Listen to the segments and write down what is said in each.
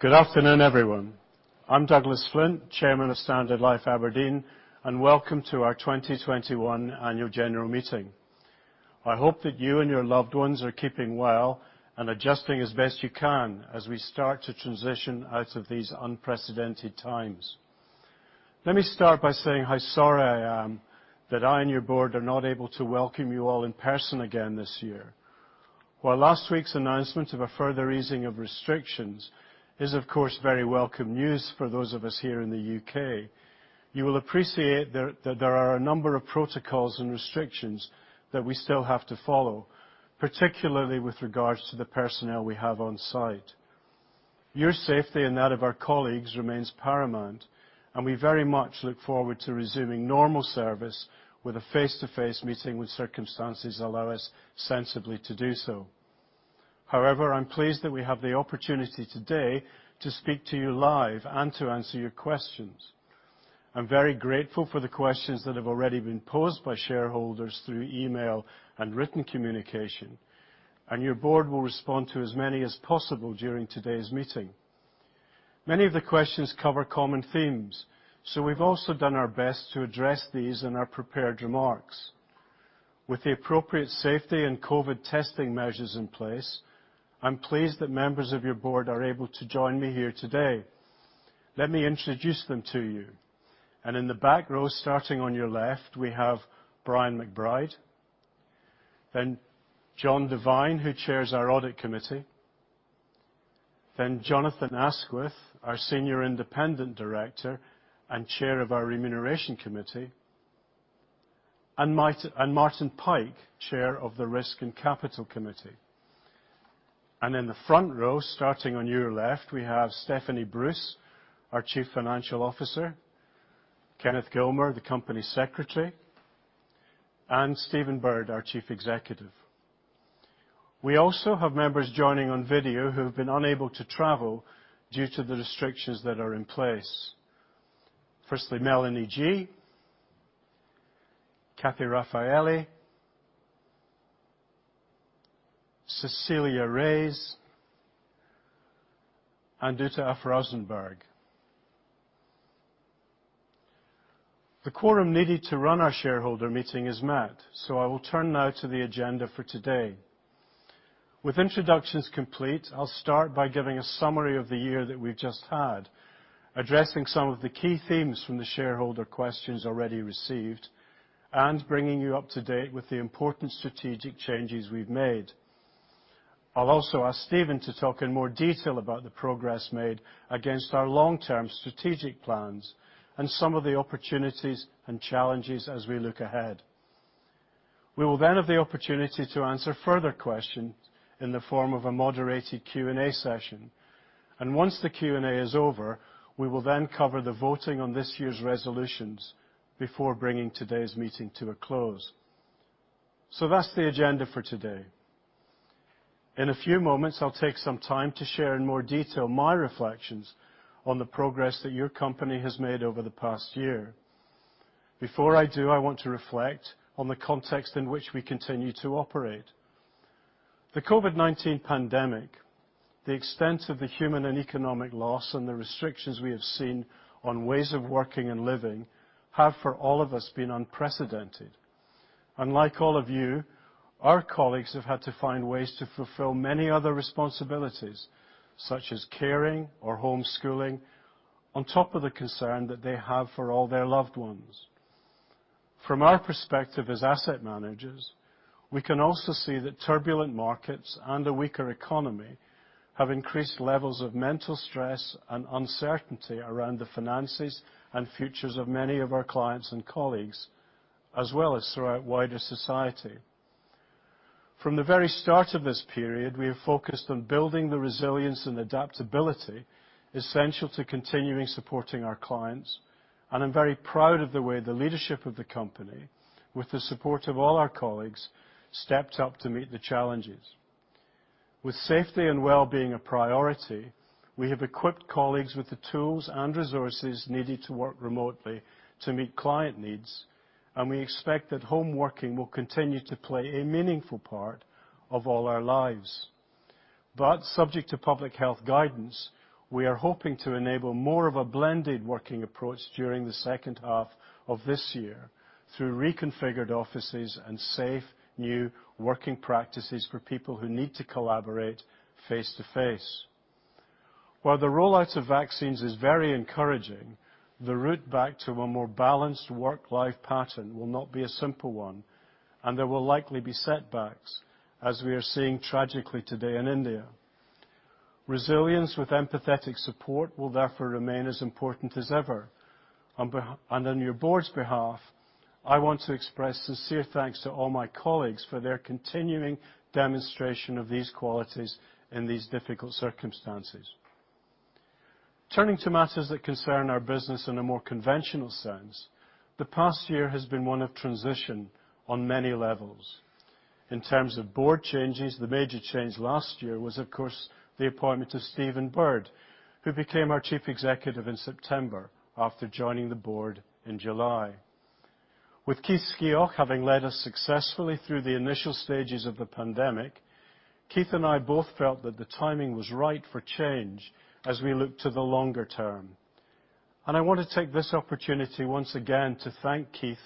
Good afternoon, everyone. I'm Douglas Flint, Chairman of Standard Life Aberdeen, and welcome to our 2021 annual general meeting. I hope that you and your loved ones are keeping well and adjusting as best you can as we start to transition out of these unprecedented times. Let me start by saying how sorry I am that I and your board are not able to welcome you all in person again this year. While last week's announcement of a further easing of restrictions is, of course, very welcome news for those of us here in the U.K., you will appreciate that there are a number of protocols and restrictions that we still have to follow, particularly with regards to the personnel we have on site. Your safety and that of our colleagues remains paramount, and we very much look forward to resuming normal service with a face-to-face meeting when circumstances allow us sensibly to do so. However, I'm pleased that we have the opportunity today to speak to you live and to answer your questions. I'm very grateful for the questions that have already been posed by shareholders through email and written communication, and your board will respond to as many as possible during today's meeting. Many of the questions cover common themes, so we've also done our best to address these in our prepared remarks. With the appropriate safety and COVID testing measures in place, I'm pleased that members of your board are able to join me here today. Let me introduce them to you. In the back row, starting on your left, we have Brian McBride- John Devine, who chairs our Audit Committee. Jonathan Asquith, our Senior Independent Director and Chair of our Remuneration Committee. Martin Pike, Chair of the Risk and Capital Committee. In the front row, starting on your left, we have Stephanie Bruce, our Chief Financial Officer. Kenneth Gilmour, the Company Secretary. Steven Bird, our Chief Executive. We also have members joining on video who have been unable to travel due to the restrictions that are in place. Firstly, Melanie Gee. Cathleen Raffaeli. Cecilia Reyes. And Jutta af Rosenborg. The quorum needed to run our shareholder meeting is met, so I will turn now to the agenda for today. With introductions complete, I'll start by giving a summary of the year that we've just had, addressing some of the key themes from the shareholder questions already received and bringing you up to date with the important strategic changes we've made. I'll also ask Steven to talk in more detail about the progress made against our long-term strategic plans and some of the opportunities and challenges as we look ahead. We will then have the opportunity to answer further questions in the form of a moderated Q&A session. Once the Q&A is over, we will then cover the voting on this year's resolutions before bringing today's meeting to a close. That's the agenda for today. In a few moments, I'll take some time to share in more detail my reflections on the progress that your company has made over the past year. Before I do, I want to reflect on the context in which we continue to operate. The COVID-19 pandemic, the extent of the human and economic loss, and the restrictions we have seen on ways of working and living have, for all of us, been unprecedented. Like all of you, our colleagues have had to find ways to fulfill many other responsibilities, such as caring or homeschooling, on top of the concern that they have for all their loved ones. From our perspective as asset managers, we can also see that turbulent markets and a weaker economy have increased levels of mental stress and uncertainty around the finances and futures of many of our clients and colleagues, as well as throughout wider society. From the very start of this period, we have focused on building the resilience and adaptability essential to continuing supporting our clients. I'm very proud of the way the leadership of the company, with the support of all our colleagues, stepped up to meet the challenges. With safety and wellbeing a priority, we have equipped colleagues with the tools and resources needed to work remotely to meet client needs, and we expect that homeworking will continue to play a meaningful part of all our lives. Subject to public health guidance, we are hoping to enable more of a blended working approach during the second half of this year through reconfigured offices and safe, new working practices for people who need to collaborate face to face. While the rollout of vaccines is very encouraging, the route back to a more balanced work-life pattern will not be a simple one, and there will likely be setbacks, as we are seeing tragically today in India. Resilience with empathetic support will therefore remain as important as ever. On your board's behalf, I want to express sincere thanks to all my colleagues for their continuing demonstration of these qualities in these difficult circumstances. Turning to matters that concern our business in a more conventional sense, the past year has been one of transition on many levels. In terms of board changes, the major change last year was, of course, the appointment of Steven Bird, who became our Chief Executive in September after joining the board in July. With Keith Skeoch having led us successfully through the initial stages of the pandemic, Keith and I both felt that the timing was right for change as we look to the longer term. I want to take this opportunity once again to thank Keith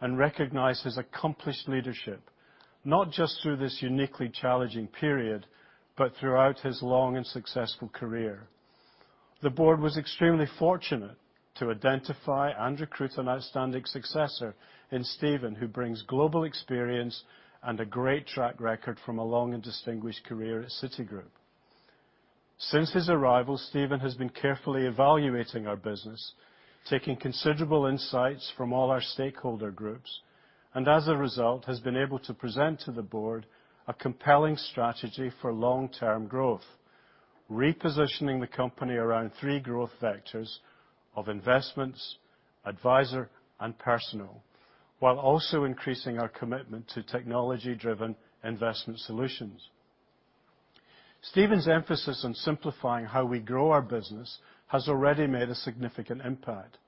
and recognize his accomplished leadership, not just through this uniquely challenging period, but throughout his long and successful career. The board was extremely fortunate to identify and recruit an outstanding successor in Steven, who brings global experience and a great track record from a long and distinguished career at Citigroup. Since his arrival, Steven has been carefully evaluating our business, taking considerable insights from all our stakeholder groups, and as a result, has been able to present to the board a compelling strategy for long-term growth, repositioning the company around three growth vectors of investments, advisor, and personal, while also increasing our commitment to technology-driven investment solutions. Steven's emphasis on simplifying how we grow our business has already made a significant impact.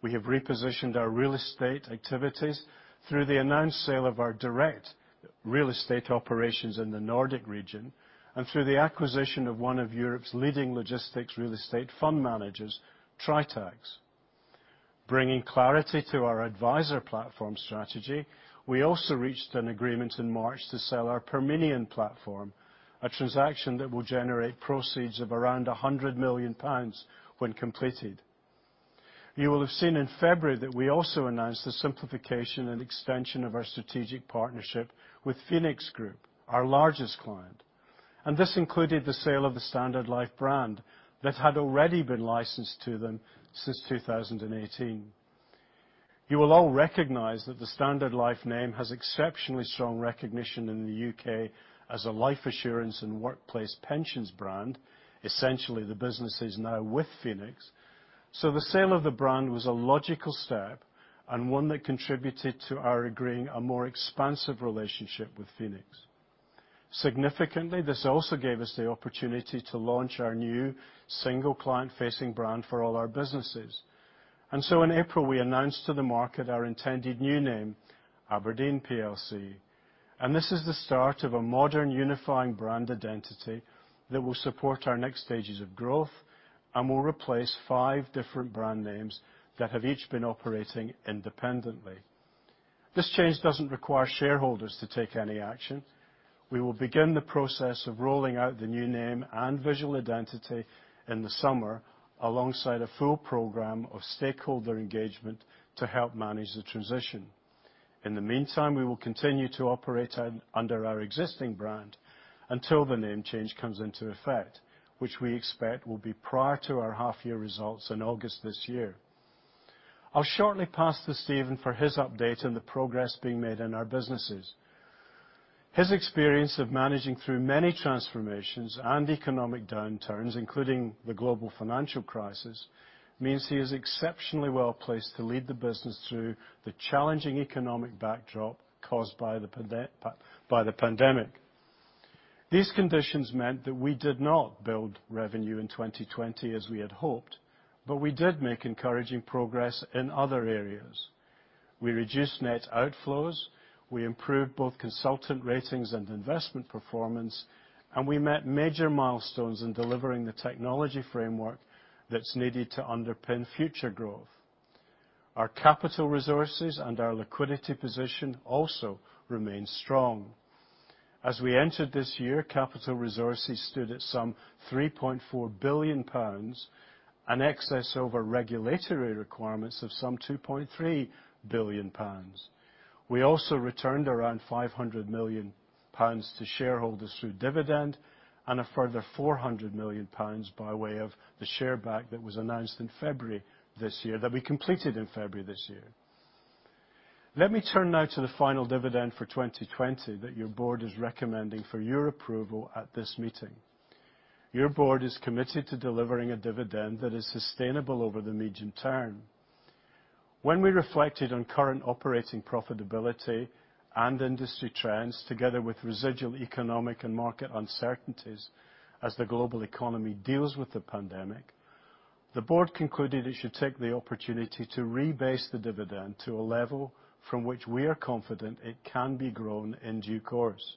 We have repositioned our real estate activities through the announced sale of our direct real estate operations in the Nordic region, and through the acquisition of one of Europe's leading logistics real estate fund managers, Tritax. Bringing clarity to our advisor platform strategy, we also reached an agreement in March to sell our Parmenion platform, a transaction that will generate proceeds of around 100 million pounds when completed. You will have seen in February that we also announced the simplification and extension of our strategic partnership with Phoenix Group, our largest client, and this included the sale of the Standard Life brand that had already been licensed to them since 2018. You will all recognize that the Standard Life name has exceptionally strong recognition in the U.K. as a life assurance and workplace pensions brand. Essentially, the business is now with Phoenix. The sale of the brand was a logical step and one that contributed to our agreeing a more expansive relationship with Phoenix. Significantly, this also gave us the opportunity to launch our new single client-facing brand for all our businesses. In April, we announced to the market our intended new name, abrdn plc, and this is the start of a modern unifying brand identity that will support our next stages of growth and will replace five different brand names that have each been operating independently. This change doesn't require shareholders to take any action. We will begin the process of rolling out the new name and visual identity in the summer, alongside a full program of stakeholder engagement to help manage the transition. In the meantime, we will continue to operate under our existing brand until the name change comes into effect, which we expect will be prior to our half-year results in August this year. I'll shortly pass to Steven for his update on the progress being made in our businesses. His experience of managing through many transformations and economic downturns, including the global financial crisis, means he is exceptionally well-placed to lead the business through the challenging economic backdrop caused by the pandemic. These conditions meant that we did not build revenue in 2020 as we had hoped. We did make encouraging progress in other areas. We reduced net outflows, we improved both consultant ratings and investment performance, and we met major milestones in delivering the technology framework that's needed to underpin future growth. Our capital resources and our liquidity position also remain strong. As we entered this year, capital resources stood at some 3.4 billion pounds, an excess over regulatory requirements of some 2.3 billion pounds. We also returned around 500 million pounds to shareholders through dividend and a further 400 million pounds by way of the share back that was announced in February this year, that we completed in February this year. Let me turn now to the final dividend for 2020 that your board is recommending for your approval at this meeting. Your board is committed to delivering a dividend that is sustainable over the medium term. When we reflected on current operating profitability and industry trends, together with residual economic and market uncertainties as the global economy deals with the pandemic, the board concluded it should take the opportunity to rebase the dividend to a level from which we are confident it can be grown in due course.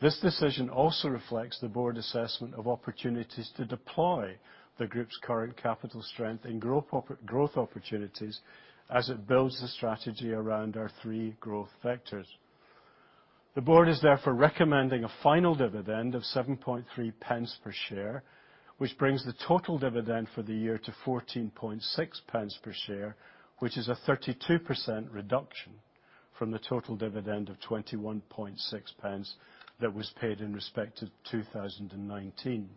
This decision also reflects the Board Assessment of opportunities to deploy the group's current capital strength in growth opportunities as it builds the strategy around our three growth vectors. The Board is therefore recommending a final dividend of 0.073 per share, which brings the total dividend for the year to 0.146 per share, which is a 32% reduction from the total dividend of 0.216 that was paid in respect to 2019.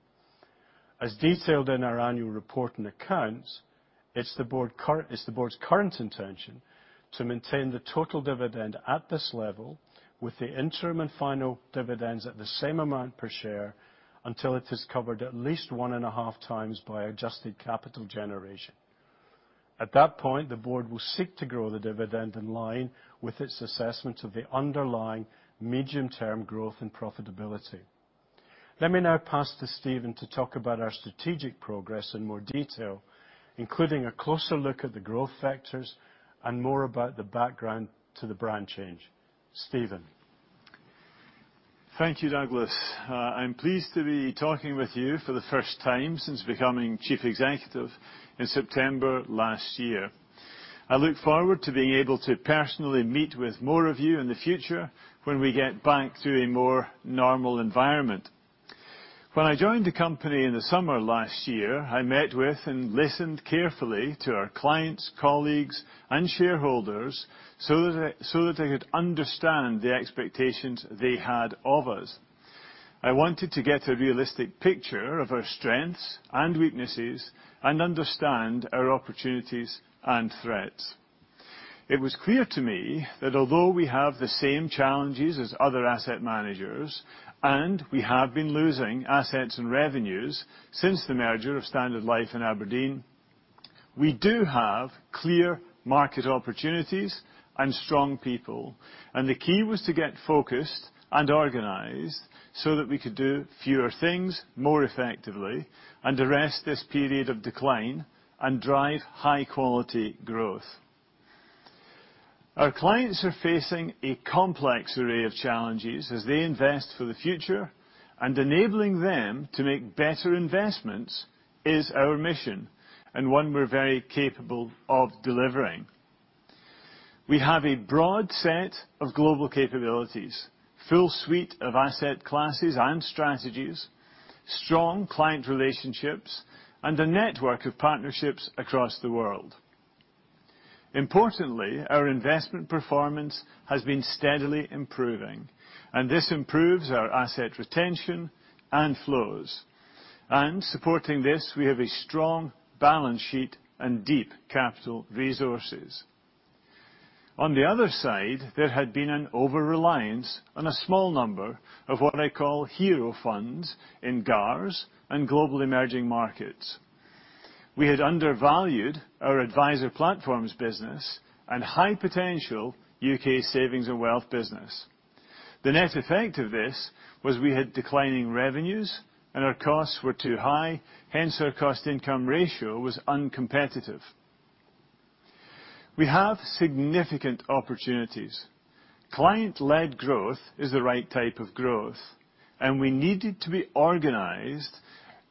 As detailed in our annual report and accounts, it's the Board's current intention to maintain the total dividend at this level with the interim and final dividends at the same amount per share until it is covered at least 1.5x by adjusted capital generation. At that point, the board will seek to grow the dividend in line with its assessment of the underlying medium-term growth and profitability. Let me now pass to Steven to talk about our strategic progress in more detail, including a closer look at the growth factors and more about the background to the brand change. Steven. Thank you, Douglas. I'm pleased to be talking with you for the first time since becoming Chief Executive in September last year. I look forward to being able to personally meet with more of you in the future when we get back to a more normal environment. When I joined the company in the summer last year, I met with and listened carefully to our clients, colleagues, and shareholders so that I could understand the expectations they had of us. I wanted to get a realistic picture of our strengths and weaknesses and understand our opportunities and threats. It was clear to me that although we have the same challenges as other asset managers, and we have been losing assets and revenues since the merger of Standard Life Aberdeen, we do have clear market opportunities and strong people. The key was to get focused and organized so that we could do fewer things more effectively and arrest this period of decline and drive high-quality growth. Our clients are facing a complex array of challenges as they invest for the future, enabling them to make better investments is our mission, and one we're very capable of delivering. We have a broad set of global capabilities, full suite of asset classes and strategies, strong client relationships, and a network of partnerships across the world. Importantly, our investment performance has been steadily improving, and this improves our asset retention and flows and, supporting this, we have a strong balance sheet and deep capital resources. On the other side, there had been an overreliance on a small number of what I call hero funds in GARS and global emerging markets. We had undervalued our adviser platforms business and high potential U.K. savings and wealth business. The net effect of this was we had declining revenues, and our costs were too high, hence our cost-income ratio was uncompetitive. We have significant opportunities. Client-led growth is the right type of growth, and we needed to be organized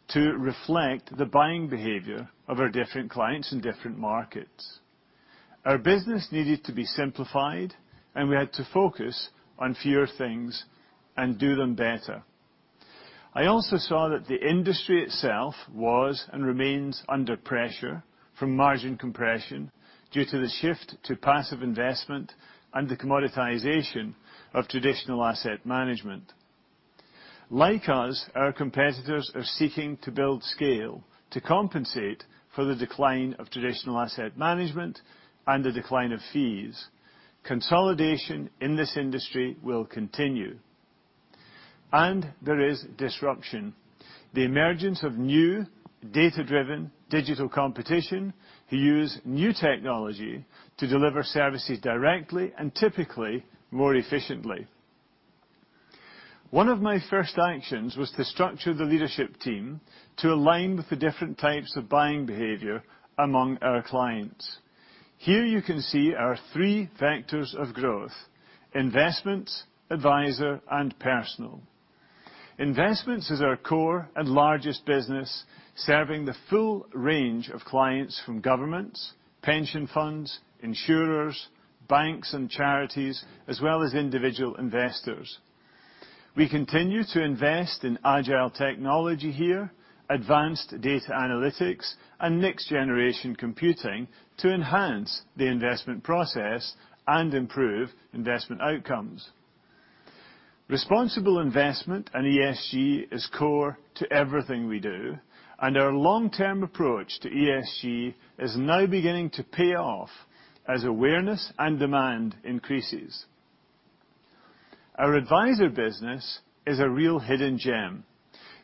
to reflect the buying behavior of our different clients in different markets. Our business needed to be simplified, and we had to focus on fewer things and do them better. I also saw that the industry itself was and remains under pressure from margin compression due to the shift to passive investment and the commoditization of traditional asset management. Like us, our competitors are seeking to build scale to compensate for the decline of traditional asset management and the decline of fees. Consolidation in this industry will continue and there is disruption. The emergence of new data-driven digital competition who use new technology to deliver services directly and typically more efficiently. One of my first actions was to structure the leadership team to align with the different types of buying behavior among our clients. Here you can see our three vectors of growth: investments, adviser, and personal. Investments is our core and largest business, serving the full range of clients from governments, pension funds, insurers, banks, and charities, as well as individual investors. We continue to invest in agile technology here, advanced data analytics, and next-generation computing to enhance the investment process and improve investment outcomes. Responsible investment and ESG is core to everything we do, and our long-term approach to ESG is now beginning to pay off as awareness and demand increases. Our adviser business is a real hidden gem.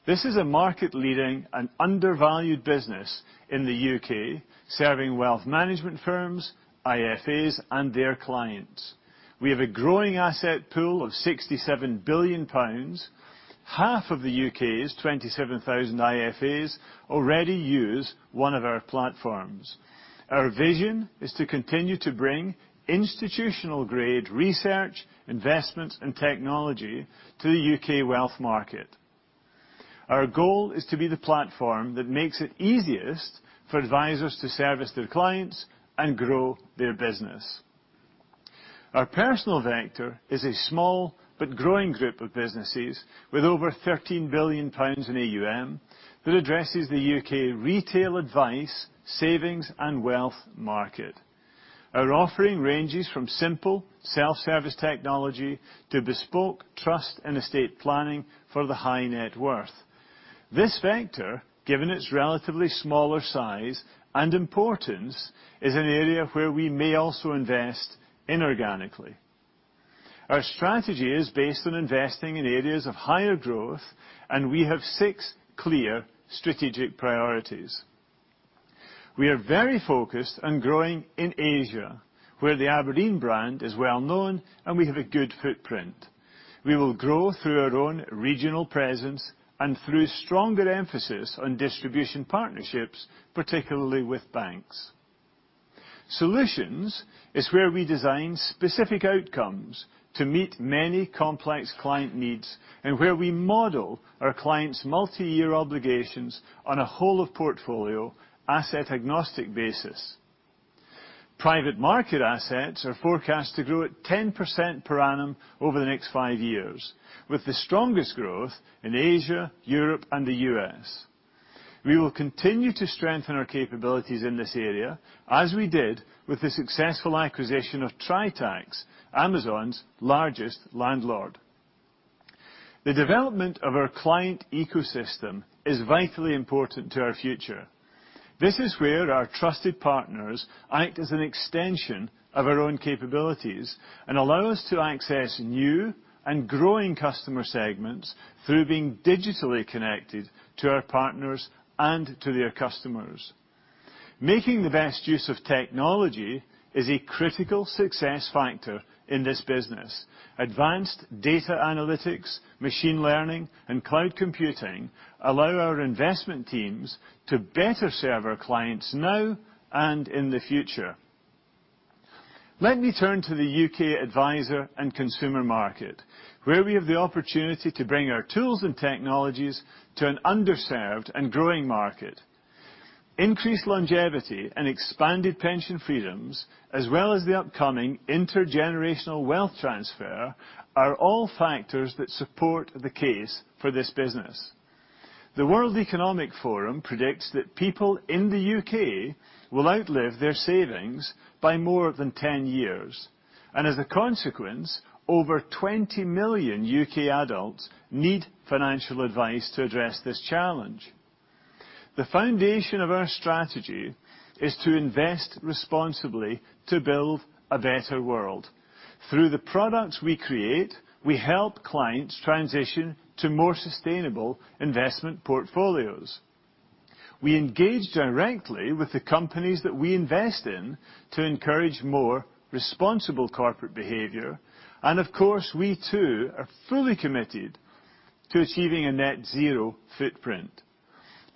This is a market-leading and undervalued business in the U.K., serving wealth management firms, IFAs, and their clients. We have a growing asset pool of 67 billion pounds times. Half of the U.K.'s 27,000 IFAs already use one of our platforms. Our vision is to continue to bring institutional-grade research, investments, and technology to the U.K. wealth market. Our goal is to be the platform that makes it easiest for advisers to service their clients and grow their business. Our personal vector is a small but growing group of businesses with over 13 billion pounds in AUM that addresses the U.K. retail advice, savings, and wealth market. Our offering ranges from simple self-service technology to bespoke trust and estate planning for the high net worth. This vector, given its relatively smaller size and importance, is an area where we may also invest inorganically. Our strategy is based on investing in areas of higher growth, and we have six clear strategic priorities. We are very focused on growing in Asia, where the Aberdeen brand is well known and we have a good footprint. We will grow through our own regional presence and through stronger emphasis on distribution partnerships, particularly with banks. Solutions is where we design specific outcomes to meet many complex client needs and where we model our clients' multi-year obligations on a whole-of-portfolio, asset-agnostic basis. Private market assets are forecast to grow at 10% per annum over the next five years, with the strongest growth in Asia, Europe, and the U.S. We will continue to strengthen our capabilities in this area, as we did with the successful acquisition of Tritax, Amazon's largest landlord. The development of our client ecosystem is vitally important to our future. This is where our trusted partners act as an extension of our own capabilities and allow us to access new and growing customer segments through being digitally connected to our partners and to their customers. Making the best use of technology is a critical success factor in this business. Advanced data analytics, machine learning, and Cloud computing allow our investment teams to better serve our clients now and in the future. Let me turn to the U.K. advisor and consumer market, where we have the opportunity to bring our tools and technologies to an underserved and growing market. Increased longevity and expanded pension freedoms, as well as the upcoming intergenerational wealth transfer, are all factors that support the case for this business. The World Economic Forum predicts that people in the U.K. will outlive their savings by more than 10 years, and as a consequence, over 20 million U.K. adults need financial advice to address this challenge. The foundation of our strategy is to invest responsibly to build a better world. Through the products we create, we help clients transition to more sustainable investment portfolios. We engage directly with the companies that we invest in to encourage more responsible corporate behavior, and of course, we too are fully committed to achieving a net zero footprint.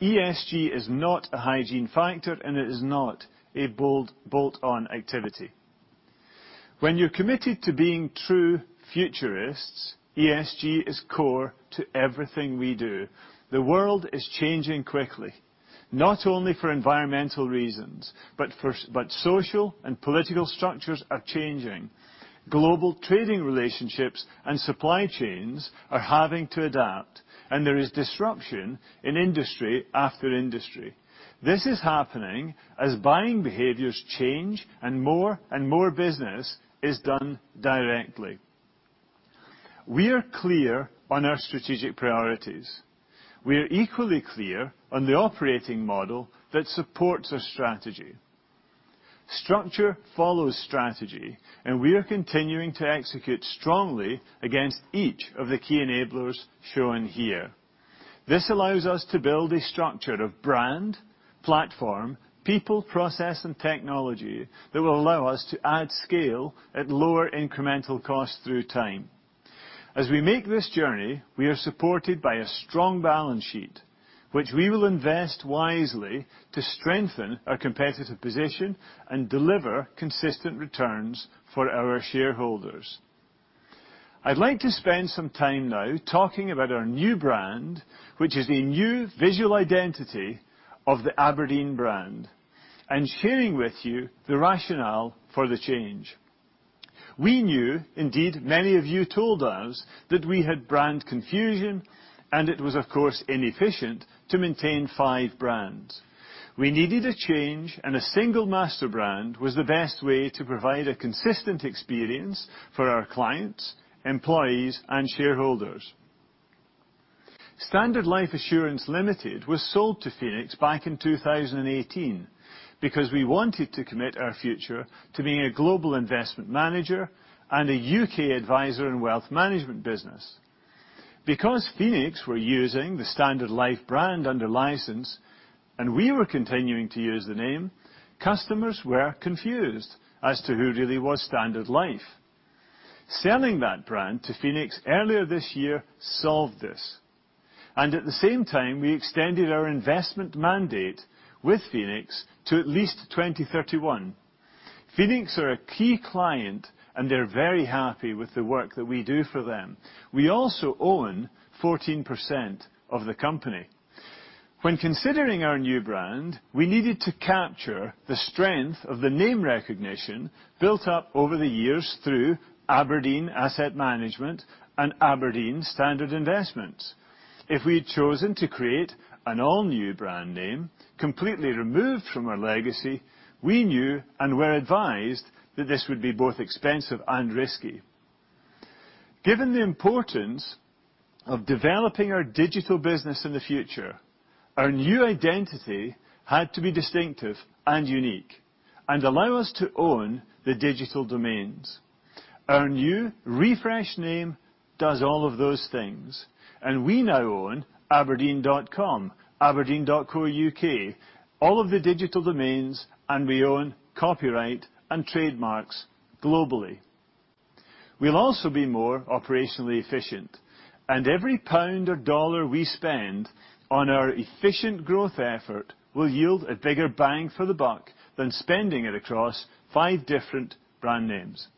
ESG is not a hygiene factor, and it is not a bolt-on activity. When you're committed to being true futurists, ESG is core to everything we do, the world is changing quickly, not only for environmental reasons, but social and political structures are changing. Global trading relationships and supply chains are having to adapt, and there is disruption in industry after industry. This is happening as buying behaviors change and more and more business is done directly. We are clear on our strategic priorities. We are equally clear on the operating model that supports our strategy. Structure follows strategy, and we are continuing to execute strongly against each of the key enablers shown here. This allows us to build a structure of brand, platform, people, process, and technology that will allow us to add scale at lower incremental costs through time. As we make this journey, we are supported by a strong balance sheet, which we will invest wisely to strengthen our competitive position and deliver consistent returns for our shareholders. I'd like to spend some time now talking about our new brand, which is a new visual identity of the Aberdeen brand and sharing with you the rationale for the change. We knew, indeed, many of you told us, that we had brand confusion, and it was, of course, inefficient to maintain five brands. We needed a change, and a single master brand was the best way to provide a consistent experience for our clients, employees, and shareholders. Standard Life Assurance Limited was sold to Phoenix back in 2018 because we wanted to commit our future to being a global investment manager and a U.K. advisor in wealth management business. Because Phoenix were using the Standard Life brand under license and we were continuing to use the name, customers were confused as to who really was Standard Life. Selling that brand to Phoenix earlier this year solved this, and at the same time, we extended our investment mandate with Phoenix to at least 2031. Phoenix are a key client, and they're very happy with the work that we do for them, we also own 14% of the company. When considering our new brand, we needed to capture the strength of the name recognition built up over the years through Aberdeen Asset Management and Aberdeen Standard Investments. If we had chosen to create an all-new brand name completely removed from our legacy, we knew and were advised that this would be both expensive and risky. Given the importance of developing our digital business in the future, our new identity had to be distinctive and unique and allow us to own the digital domains. Our new refreshed name does all of those things, we now own aberdeen.com, aberdeen.co.uk, all of the digital domains, and we own copyright and trademarks globally. We'll also be more operationally efficient, every pound or dollar we spend on our efficient growth effort will yield a bigger bang for the buck than spending it across five different brand names.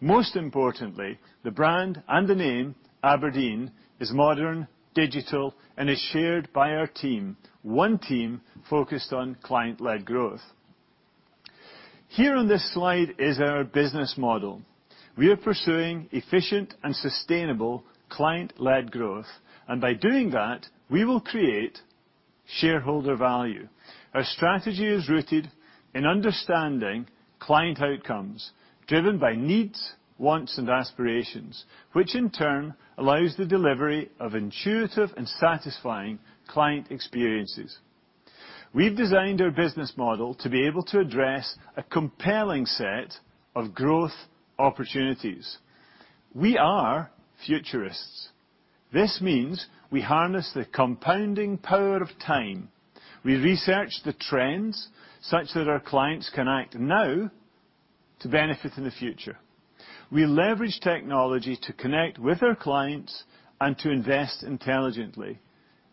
Most importantly, the brand and the name Aberdeen is modern, digital, and is shared by our team, one team focused on client-led growth. Here on this slide is our business model. We are pursuing efficient and sustainable client-led growth, by doing that, we will create shareholder value. Our strategy is rooted in understanding client outcomes driven by needs, wants, and aspirations, which in turn allows the delivery of intuitive and satisfying client experiences. We've designed our business model to be able to address a compelling set of growth opportunities. We are futurists. This means we harness the compounding power of time. We research the trends such that our clients can act now to benefit in the future. We leverage technology to connect with our clients and to invest intelligently,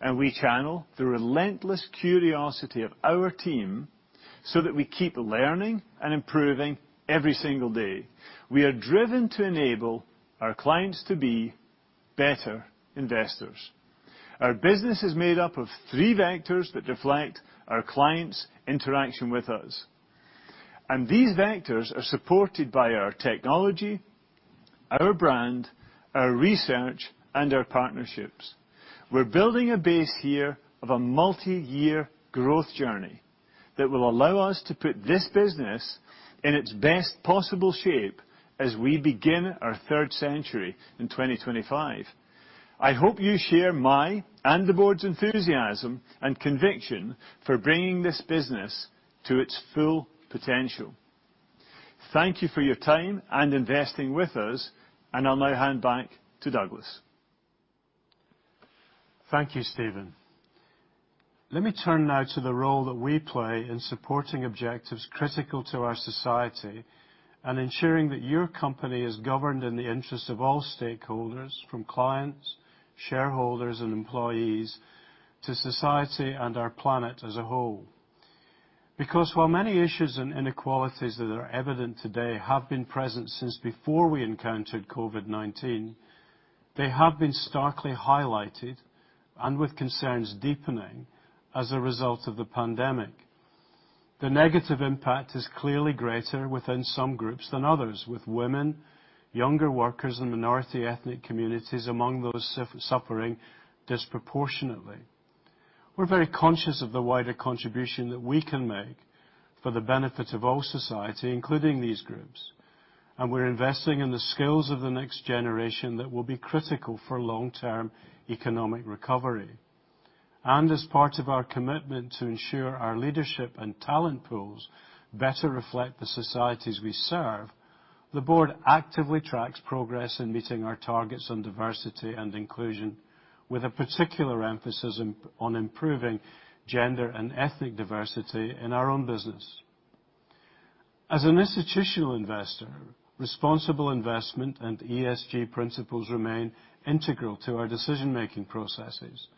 and we channel the relentless curiosity of our team so that we keep learning and improving every single day. We are driven to enable our clients to be better investors. Our business is made up of three vectors that reflect our clients' interaction with us, and these vectors are supported by our technology, our brand, our research, and our partnerships. We're building a base year of a multi-year growth journey that will allow us to put this business in its best possible shape as we begin our third century in 2025. I hope you share my and the board's enthusiasm and conviction for bringing this business to its full potential. Thank you for your time and investing with us, and I'll now hand back to Douglas. Thank you, Steven. Let me turn now to the role that we play in supporting objectives critical to our society and ensuring that your company is governed in the interest of all stakeholders from clients, shareholders, and employees, to society and our planet as a whole. Because many issues and inequalities that are evident today have been present since before we encountered COVID-19, they have been starkly highlighted and with concerns deepening as a result of the pandemic. The negative impact is clearly greater within some groups than others, with women, younger workers, and minority ethnic communities among those suffering disproportionately. We're very conscious of the wider contribution that we can make for the benefit of all society, including these groups, and we're investing in the skills of the next generation that will be critical for long-term economic recovery. As part of our commitment to ensure our leadership and talent pools better reflect the societies we serve, the board actively tracks progress in meeting our targets on diversity and inclusion, with a particular emphasis on improving gender and ethnic diversity in our own business. As an institutional investor, responsible investment and ESG principles remain integral to our decision-making processes,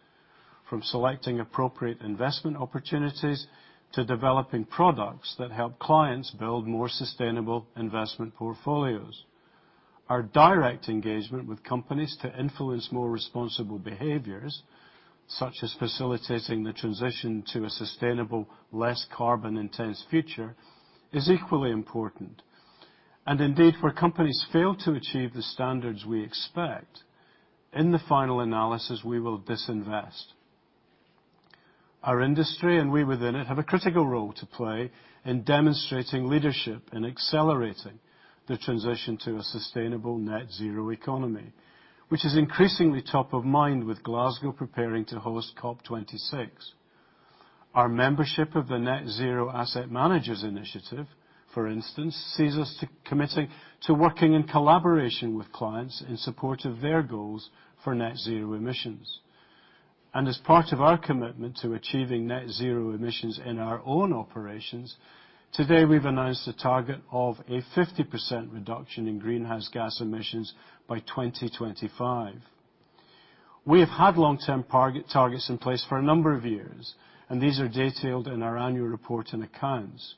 from selecting appropriate investment opportunities to developing products that help clients build more sustainable investment portfolios. Our direct engagement with companies to influence more responsible behaviors, such as facilitating the transition to a sustainable, less carbon-intense future, is equally important. Indeed, where companies fail to achieve the standards we expect, in the final analysis, we will disinvest. Our industry and we within it have a critical role to play in demonstrating leadership and accelerating the transition to a sustainable net zero economy, which is increasingly top of mind with Glasgow preparing to host COP26. Our membership of the Net Zero Asset Managers initiative, for instance, sees us committing to working in collaboration with clients in support of their goals for net zero emissions. As part of our commitment to achieving net zero emissions in our own operations, today we've announced a target of a 50% reduction in greenhouse gas emissions by 2025. We have had long-term targets in place for a number of years, these are detailed in our annual report and accounts.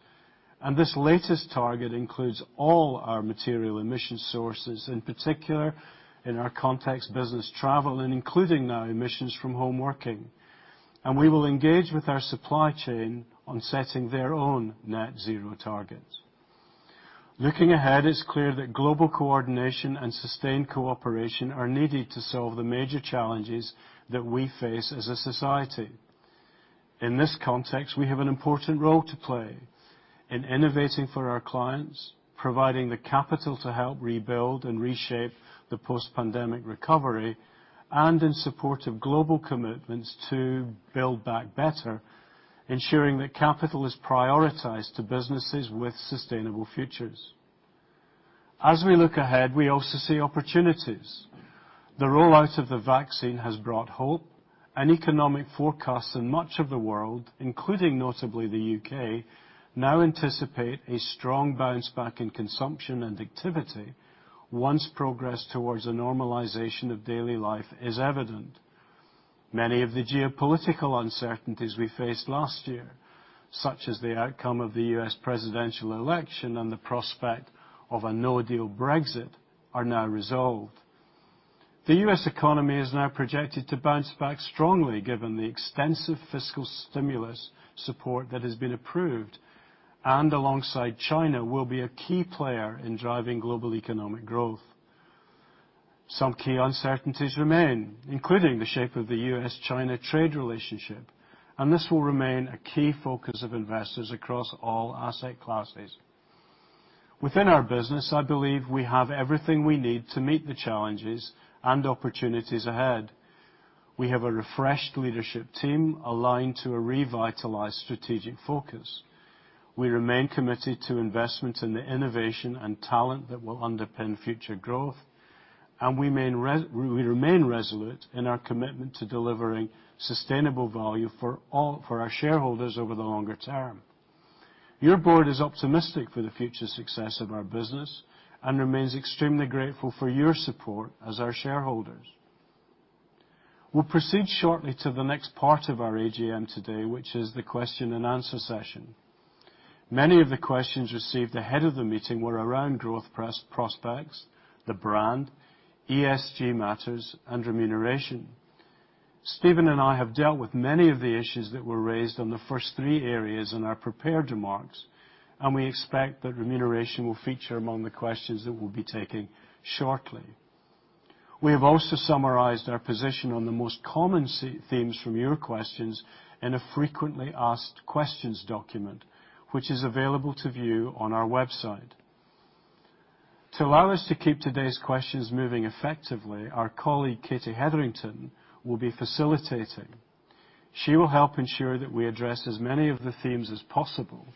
This latest target includes all our material emission sources, in particular in our context business travel, and including now emissions from home working. We will engage with our supply chain on setting their own net zero targets. Looking ahead, it's clear that global coordination and sustained cooperation are needed to solve the major challenges that we face as a society. In this context, we have an important role to play in innovating for our clients, providing the capital to help rebuild and reshape the post-pandemic recovery, and in support of global commitments to build back better. Ensuring that capital is prioritized to businesses with sustainable futures. As we look ahead, we also see opportunities. The rollout of the vaccine has brought hope, and economic forecasts in much of the world, including notably the U.K., now anticipate a strong bounce back in consumption and activity once progress towards a normalization of daily life is evident. Many of the geopolitical uncertainties we faced last year, such as the outcome of the U.S. presidential election and the prospect of a no-deal Brexit, are now resolved. The U.S. economy is now projected to bounce back strongly given the extensive fiscal stimulus support that has been approved, and alongside China, will be a key player in driving global economic growth. Some key uncertainties remain, including the shape of the U.S.-China trade relationship, and this will remain a key focus of investors across all asset classes. Within our business, I believe we have everything we need to meet the challenges and opportunities ahead. We have a refreshed leadership team aligned to a revitalized strategic focus. We remain committed to investment in the innovation and talent that will underpin future growth, and we remain resolute in our commitment to delivering sustainable value for our shareholders over the longer term. Your board is optimistic for the future success of our business and remains extremely grateful for your support as our shareholders. We'll proceed shortly to the next part of our AGM today, which is the question and answer session. Many of the questions received ahead of the meeting were around growth prospects, the brand, ESG matters, and remuneration. Steven and I have dealt with many of the issues that were raised on the first three areas in our prepared remarks, and we expect that remuneration will feature among the questions that we'll be taking shortly. We have also summarized our position on the most common themes from your questions in a frequently asked questions document, which is available to view on our website. To allow us to keep today's questions moving effectively, our colleague, Katy Hetherington, will be facilitating. She will help ensure that we address as many of the themes as possible,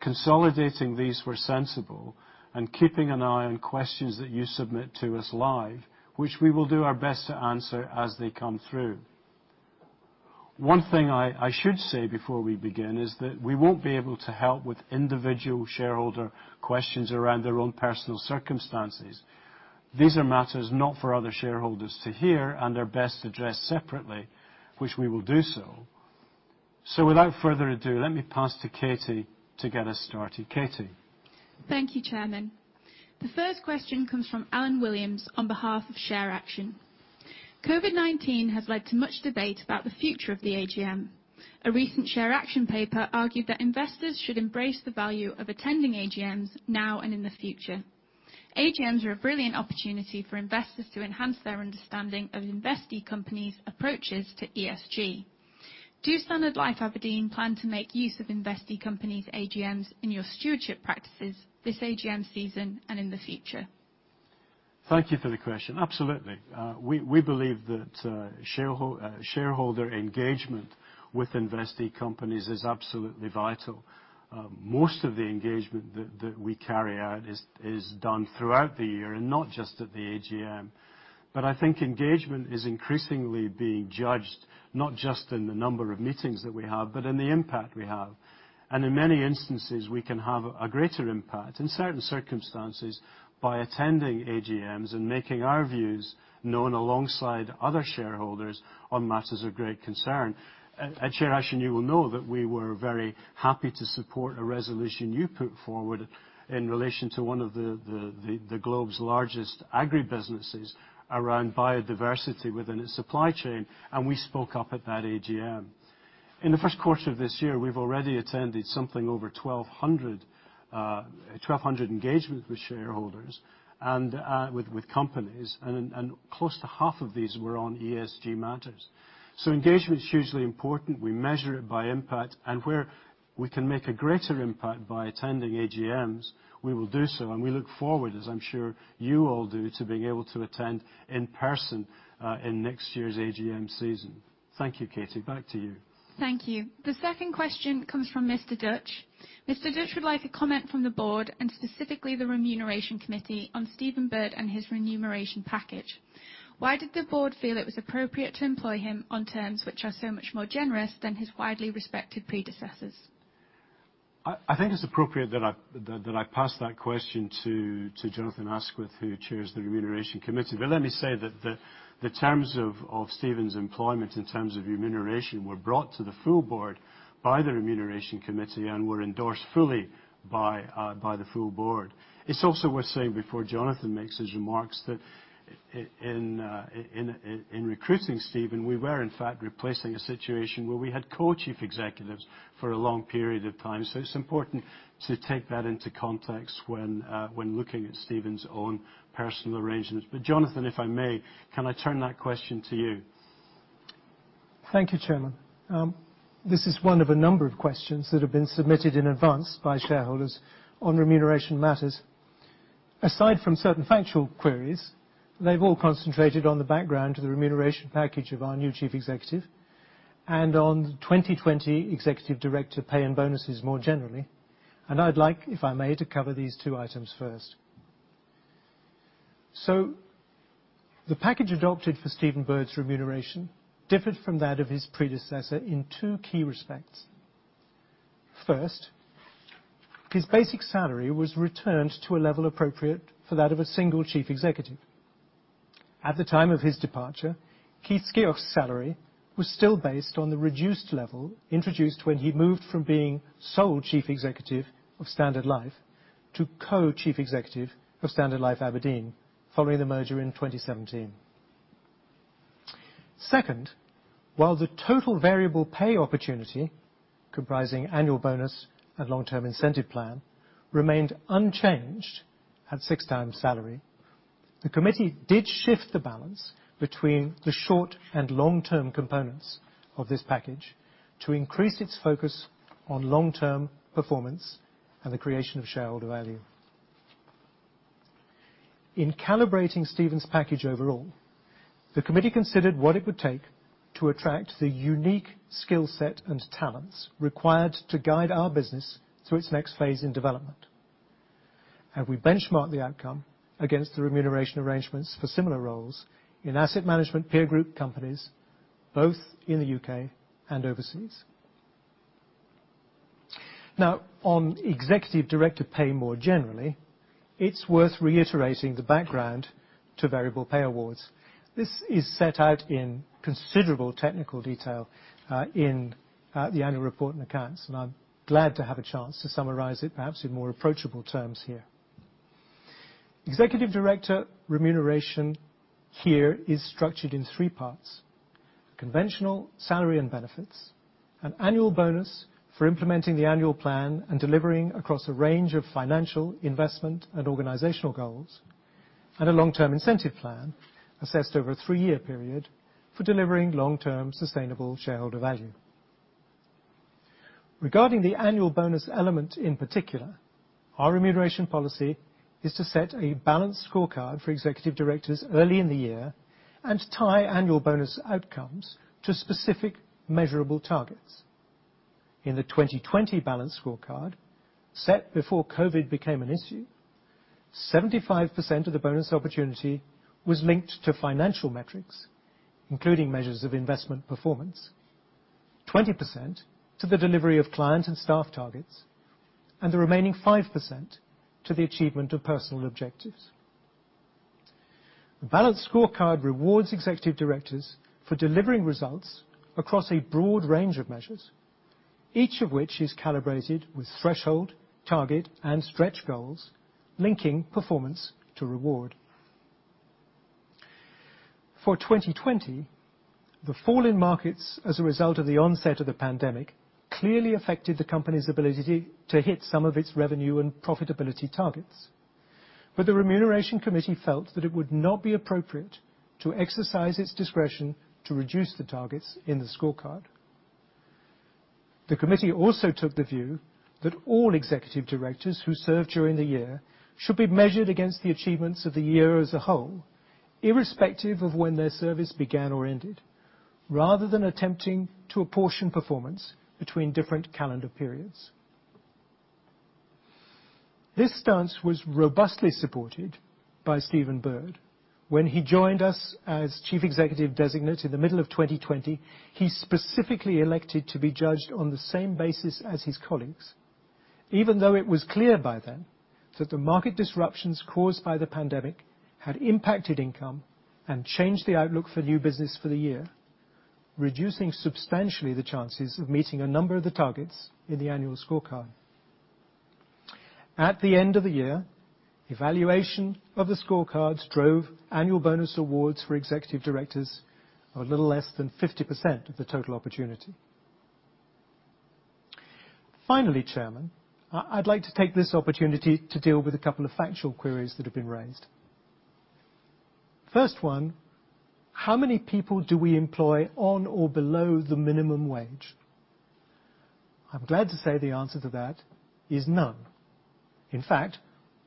consolidating these where sensible, and keeping an eye on questions that you submit to us live, which we will do our best to answer as they come through. One thing I should say before we begin is that we won't be able to help with individual shareholder questions around their own personal circumstances. These are matters not for other shareholders to hear and are best addressed separately, which we will do so. Without further ado, let me pass to Katy to get us started. Katy. Thank you, Chairman. The first question comes from Alan Williams on behalf of ShareAction. COVID-19 has led to much debate about the future of the AGM. A recent ShareAction paper argued that investors should embrace the value of attending AGMs now and in the future. AGMs are a brilliant opportunity for investors to enhance their understanding of investee companies' approaches to ESG. Do Standard Life Aberdeen plan to make use of investee companies' AGMs in your stewardship practices this AGM season and in the future? Thank you for the question absolutely. We believe that shareholder engagement with investee companies is absolutely vital. Most of the engagement that we carry out is done throughout the year and not just at the AGM. I think engagement is increasingly being judged not just in the number of meetings that we have, but in the impact we have. In many instances, we can have a greater impact in certain circumstances by attending AGMs and making our views known alongside other shareholders on matters of great concern. At ShareAction, you will know that we were very happy to support a resolution you put forward in relation to one of the globe's largest agri-businesses around Biodiversity within its supply chain, and we spoke up at that AGM. In the Q1 of this year, we've already attended something over 1,200 engagements with shareholders and with companies, close to half of these were on ESG matters. Engagement is hugely important we measure it by impact, where we can make a greater impact by attending AGMs, we will do so, we look forward, as I'm sure you all do, to being able to attend in person in next year's AGM season. Thank you, Katy back to you. Thank you. The second question comes from Mr. Dutch. Mr. Dutch would like a comment from the Board, and specifically the Remuneration Committee, on Steven Bird and his remuneration package. Why did the Board feel it was appropriate to employ him on terms which are so much more generous than his widely respected predecessors? I think it's appropriate that I pass that question to Jonathan Asquith, who chairs the Remuneration Committee let me say that the terms of Steven's employment in terms of remuneration were brought to the full board by the Remuneration Committee and were endorsed fully by the full board. It's also worth saying before Jonathan makes his remarks that in recruiting Steven, we were in fact replacing a situation where we had Co-Chief Executives for a long period of time it's important to take that into context when looking at Steven's own personal arrangements. Jonathan, if I may, can I turn that question to you? Thank you, Chairman. This is one of a number of questions that have been submitted in advance by shareholders on remuneration matters. Aside from certain factual queries, they've all concentrated on the background to the remuneration package of our new Chief Executive and on 2020 Executive Director pay and bonuses more generally. I'd like, if I may, to cover these two items first. The package adopted for Steven Bird's remuneration differed from that of his predecessor in two key respects. First, his basic salary was returned to a level appropriate for that of a single Chief Executive. At the time of his departure, Keith Skeoch's salary was still based on the reduced level introduced when he moved from being sole Chief Executive of Standard Life to Co-Chief Executive of Standard Life Aberdeen following the merger in 2017. Second, while the total variable pay opportunity, comprising annual bonus and long-term incentive plan, remained unchanged at six times salary, the Committee did shift the balance between the short and long-term components of this package to increase its focus on long-term performance and the creation of shareholder value. In calibrating Steven's package overall, the Committee considered what it would take to attract the unique skill set and talents required to guide our business through its next phase in development. We benchmarked the outcome against the remuneration arrangements for similar roles in asset management peer group companies, both in the U.K. and overseas. On Executive Director pay more generally, it's worth reiterating the background to variable pay awards. This is set out in considerable technical detail in the annual report and accounts, and I'm glad to have a chance to summarize it perhaps in more approachable terms here. Executive Director remuneration here is structured in three parts. Conventional salary and benefits, an annual bonus for implementing the annual plan and delivering across a range of financial investment and organizational goals, and a long-term incentive plan assessed over a three-year period for delivering long-term sustainable shareholder value. Regarding the annual bonus element in particular, our remuneration policy is to set a balanced scorecard for Executive Directors early in the year and tie annual bonus outcomes to specific measurable targets. In the 2020 balanced scorecard, set before COVID-19 became an issue, 75% of the bonus opportunity was linked to financial metrics, including measures of investment performance, 20% to the delivery of client and staff targets, and the remaining 5% to the achievement of personal objectives. The balanced scorecard rewards Executive Directors for delivering results across a broad range of measures, each of which is calibrated with threshold, target, and stretch goals, linking performance to reward. For 2020, the fall in markets as a result of the onset of the pandemic clearly affected the company's ability to hit some of its revenue and profitability targets. The Remuneration Committee felt that it would not be appropriate to exercise its discretion to reduce the targets in the scorecard. The Committee also took the view that all Executive Directors who served during the year should be measured against the achievements of the year as a whole, irrespective of when their service began or ended, rather than attempting to apportion performance between different calendar periods. This stance was robustly supported by Steven Bird. When he joined us as Chief Executive designate in the middle of 2020, he specifically elected to be judged on the same basis as his colleagues, even though it was clear by then that the market disruptions caused by the pandemic had impacted income and changed the outlook for new business for the year, reducing substantially the chances of meeting a number of the targets in the annual scorecard. At the end of the year, evaluation of the scorecard drove annual bonus awards for Executive Directors of a little less than 50% of the total opportunity. Finally, Chairman, I'd like to take this opportunity to deal with a couple of factual queries that have been raised. First one, how many people do we employ on or below the minimum wage? I'm glad to say the answer to that is none. In fact,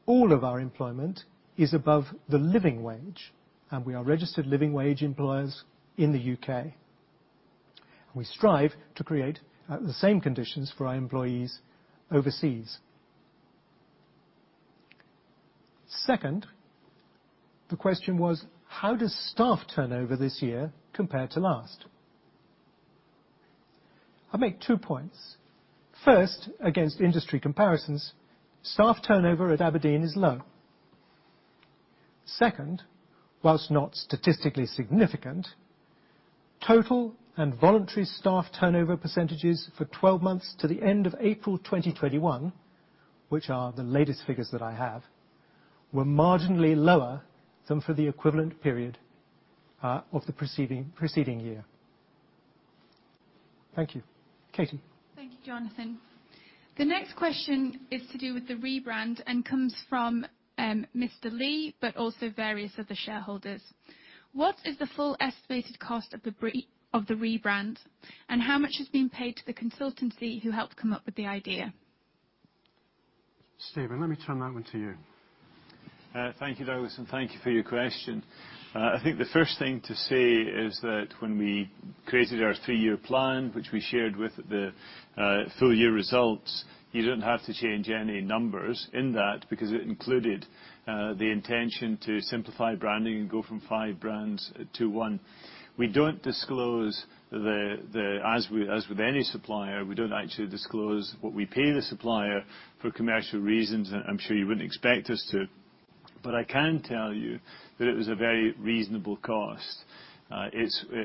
all of our employment is above the living wage, and we are registered living wage employers in the U.K., and we strive to create the same conditions for our employees overseas. Second, the question was, how does staff turnover this year compare to last? I make two points. First, against industry comparisons, staff turnover at Aberdeen is low. Second, whilst not statistically significant, total and voluntary staff turnover percentages for 12 months to the end of April 2021, which are the latest figures that I have, were marginally lower than for the equivalent period of the preceding year. Thank you. Katy. Thank you, Jonathan. The next question is to do with the rebrand and comes from Mr. Lee, but also various other shareholders. What is the full estimated cost of the rebrand, and how much has been paid to the consultancy who helped come up with the idea? Steven, let me turn that one to you. Thank you, Douglas, and thank you for your question. I think the first thing to say is that when we created our three-year plan, which we shared with the full year results, you didn't have to change any numbers in that because it included the intention to simplify branding and go from five brands to one. As with any supplier, we don't actually disclose what we pay the supplier for commercial reasons, and I'm sure you wouldn't expect us to. I can tell you that it was a very reasonable cost.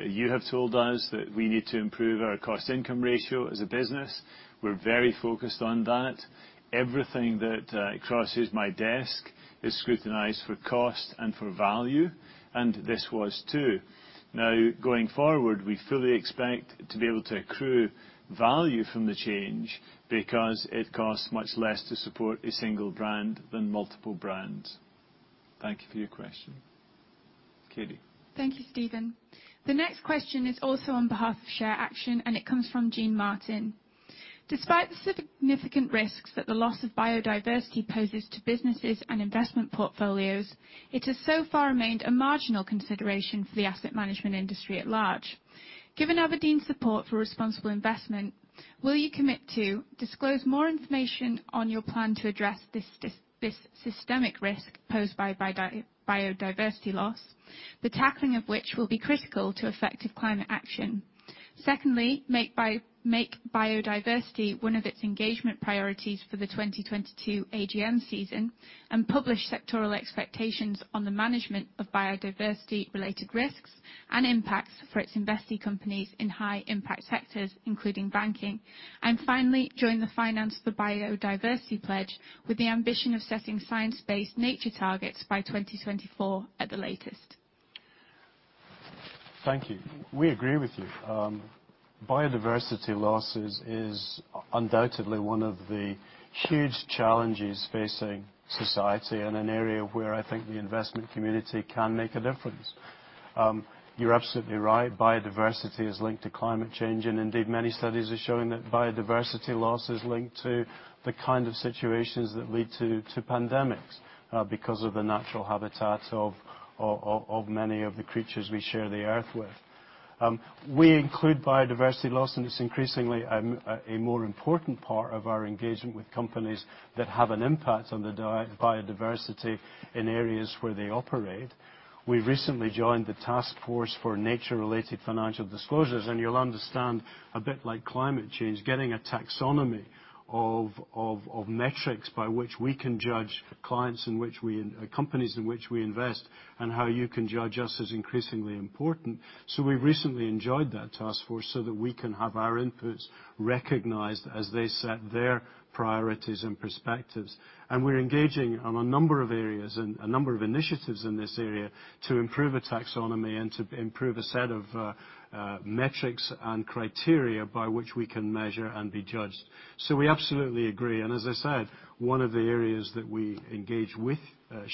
You have told us that we need to improve our cost-income ratio as a business. We're very focused on that. Everything that crosses my desk is scrutinized for cost and for value, and this was too. Now, going forward, we fully expect to be able to accrue value from the change because it costs much less to support a single brand than multiple brands. Thank you for your question. Katy. Thank you, Steven. The next question is also on behalf of ShareAction, and it comes from Jeanne Martin. Despite the significant risks that the loss of Biodiversity poses to businesses and investment portfolios, it has so far remained a marginal consideration for the asset management industry at large. Given Aberdeen's support for responsible investment, will you commit to disclose more information on your plan to address this systemic risk posed by Biodiversity loss, the tackling of which will be critical to effective climate action? Secondly, make Biodiversity one of its engagement priorities for the 2022 AGM season, and publish sectoral expectations on the management of Biodiversity-related risks and impacts for its investing companies in high-impact sectors, including banking. Finally, join the Finance for Biodiversity Pledge with the ambition of setting science-based nature targets by 2024 at the latest. Thank you. We agree with you. Biodiversity loss is undoubtedly one of the huge challenges facing society and an area where I think the investment community can make a difference. You're absolutely right Biodiversity is linked to climate change indeed, many studies are showing that Biodiversity loss is linked to the kind of situations that lead to pandemics, because of the natural habitats of many of the creatures we share the earth with. We include Biodiversity loss it's increasingly a more important part of our engagement with companies that have an impact on the Biodiversity in areas where they operate. We recently joined the Taskforce on Nature-related Financial Disclosures you'll understand, a bit like climate change, getting a taxonomy of metrics by which we can judge companies in which we invest and how you can judge us is increasingly important. We recently joined that Taskforce so that we can have our inputs recognized as they set their priorities and perspectives. We're engaging on a number of areas and a number of initiatives in this area to improve a taxonomy and to improve a set of metrics and criteria by which we can measure and be judged. We absolutely agree. As I said, one of the areas that we engage with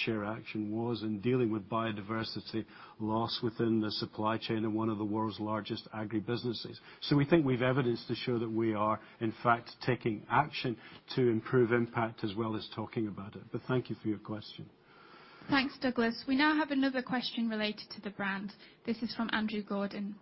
ShareAction was in dealing with Biodiversity loss within the supply chain of one of the world's largest agribusinesses. We think we've evidence to show that we are, in fact, taking action to improve impact as well as talking about it thank you for your question. Thanks, Douglas. We now have another question related to the brand. This is from Andrew Gordon.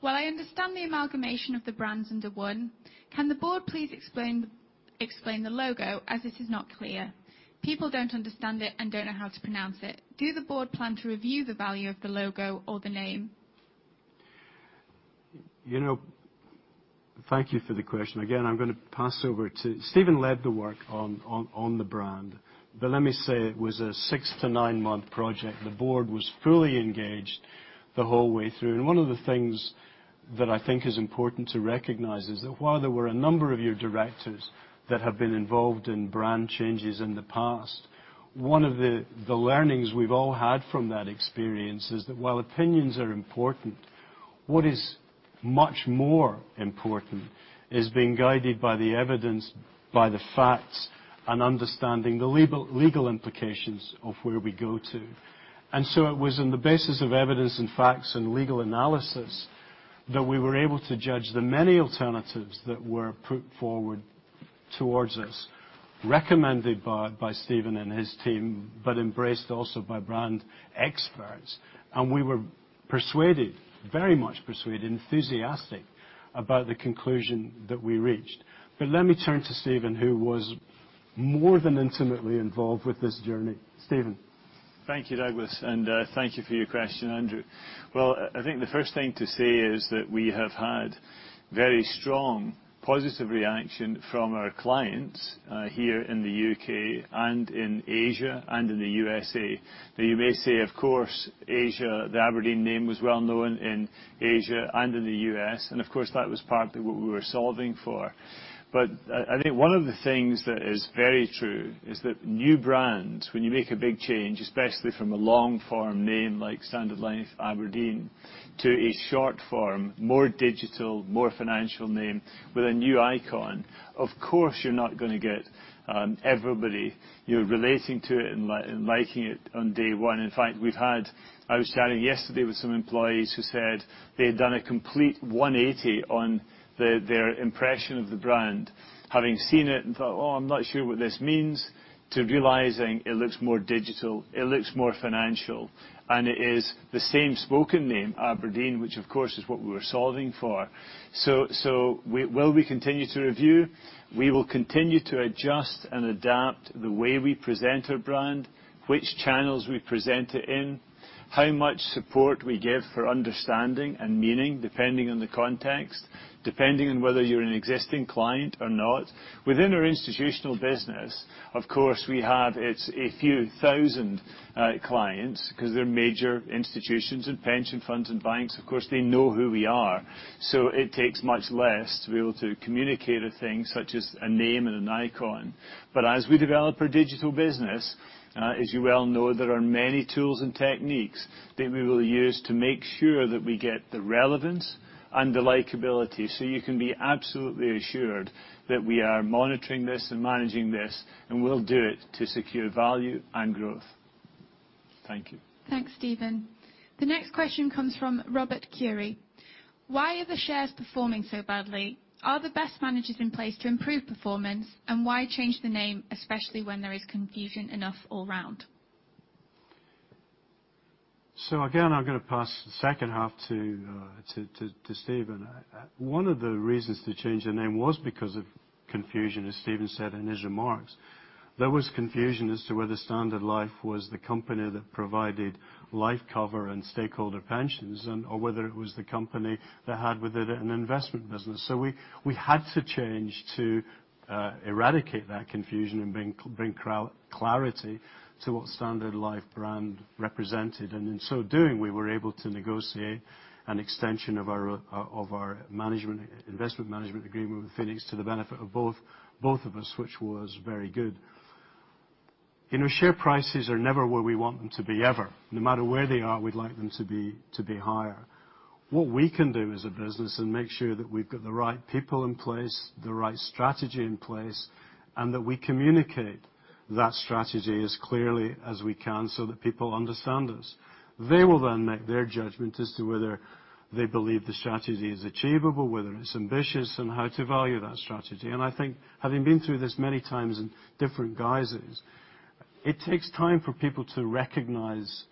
While I understand the amalgamation of the brands under one, can the board please explain the logo as it is not clear? People don't understand it and don't know how to pronounce it. Do the board plan to review the value of the logo or the name? Thank you for the question i'm going to pass over to Steven led the work on the brand. Let me say it was a six to nine-month project the board was fully engaged the whole way through one of the things that I think is important to recognize is that while there were a number of your directors that have been involved in brand changes in the past, one of the learnings we've all had from that experience is that while opinions are important, what is much more important is being guided by the evidence, by the facts, and understanding the legal implications of where we go to. It was on the basis of evidence and facts and legal analysis that we were able to judge the many alternatives that were put forward towards us, recommended by Steven and his team, but embraced also by brand experts. We were persuaded, very much persuaded, enthusiastic about the conclusion that we reached. Let me turn to Steven, who was more than intimately involved with this journey. Steven. Thank you, Douglas, and thank you for your question, Andrew. Well, I think the first thing to say is that we have had very strong, positive reaction from our clients here in the U.K. and in Asia and in the U.S.A. You may say, of course, Asia, the Aberdeen name was well known in Asia and in the U.S., and of course, that was partly what we were solving for. But I think one of the things that is very true is that new brands, when you make a big change, especially from a long form name like Standard Life Aberdeen, to a short form, more digital, more financial name with a new icon, of course you're not going to get everybody relating to it and liking it on day one in fact we had- I was chatting yesterday with some employees who said they had done a complete 180 on their impression of the brand, having seen it and thought, "Oh, I'm not sure what this means," to realizing it looks more digital, it looks more financial, and it is the same spoken name, Aberdeen, which of course is what we were solving for. Will we continue to review, we will continue to adjust and adapt the way we present our brand, which channels we present it in, how much support we give for understanding and meaning, depending on the context, depending on whether you're an existing client or not. Within our institutional business, of course, we have a few thousand clients, because they're major institutions and pension funds and banks of course, they know who we are. It takes much less to be able to communicate a thing such as a name and an icon. As we develop our digital business, as you well know, there are many tools and techniques that we will use to make sure that we get the relevance and the likability so you can be absolutely assured that we are monitoring this and managing this, and we'll do it to secure value and growth. Thank you. Thanks, Steven. The next question comes from Robert Currie. Why are the shares performing so badly? Are the best managers in place to improve performance? Why change the name, especially when there is confusion enough all around? Again, I'm going to pass the second half to Steven Bird, one of the reasons to change the name was because of confusion, as Steven Bird said in his remarks. There was confusion as to whether Standard Life was the company that provided life cover and stakeholder pensions, or whether it was the company that had with it an investment business so we- -had to change to eradicate that confusion and bring clarity to what Standard Life brand represented in so doing, we were able to negotiate an extension of our investment management agreement with Phoenix to the benefit of both of us, which was very good. Share prices are never where we want them to be ever. No matter where they are, we'd like them to be higher. What we can do as a business and make sure that we've got the right people in place, the right strategy in place, and that we communicate that strategy as clearly as we can so that people understand us. They will then make their judgment as to whether they believe the strategy is achievable, whether it's ambitious, and how to value that strategy. I think having been through this many times in different guises. It takes time for people to recognize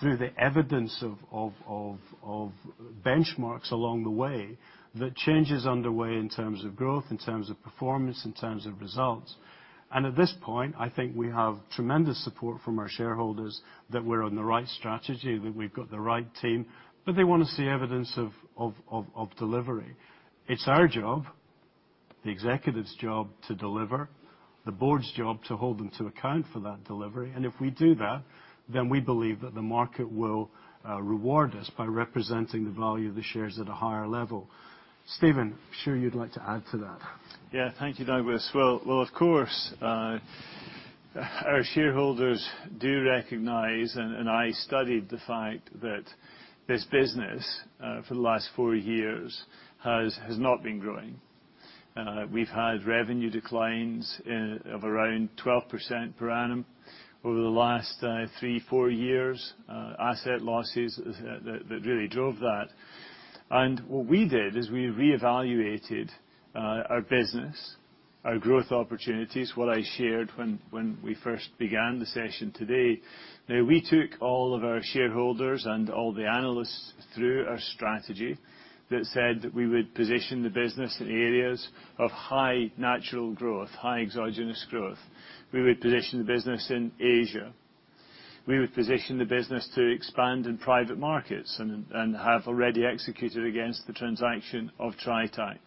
through the evidence of benchmarks along the way, that change is underway in terms of growth, in terms of performance, in terms of results. At this point, I think we have tremendous support from our shareholders that we're on the right strategy, that we've got the right team, but they want to see evidence of delivery. It's our job, the executives' job, to deliver, the board's job to hold them to account for that delivery if we do that, then we believe that the market will reward us by representing the value of the shares at a higher level. Steven, I'm sure you'd like to add to that. Thank you, Douglas well, of course, our shareholders do recognize, and I studied the fact that this business, for the last four years, has not been growing. We've had revenue declines of around 12% per annum over the last three, four years. Asset losses that really drove that. What we did is we reevaluated our business, our growth opportunities, what I shared when we first began the session today, now, we took all of our shareholders and all the analysts through our strategy that said we would position the business in areas of high natural growth, high exogenous growth. We would position the business in Asia. We would position the business to expand in private markets and have already executed against the transaction of Tritax.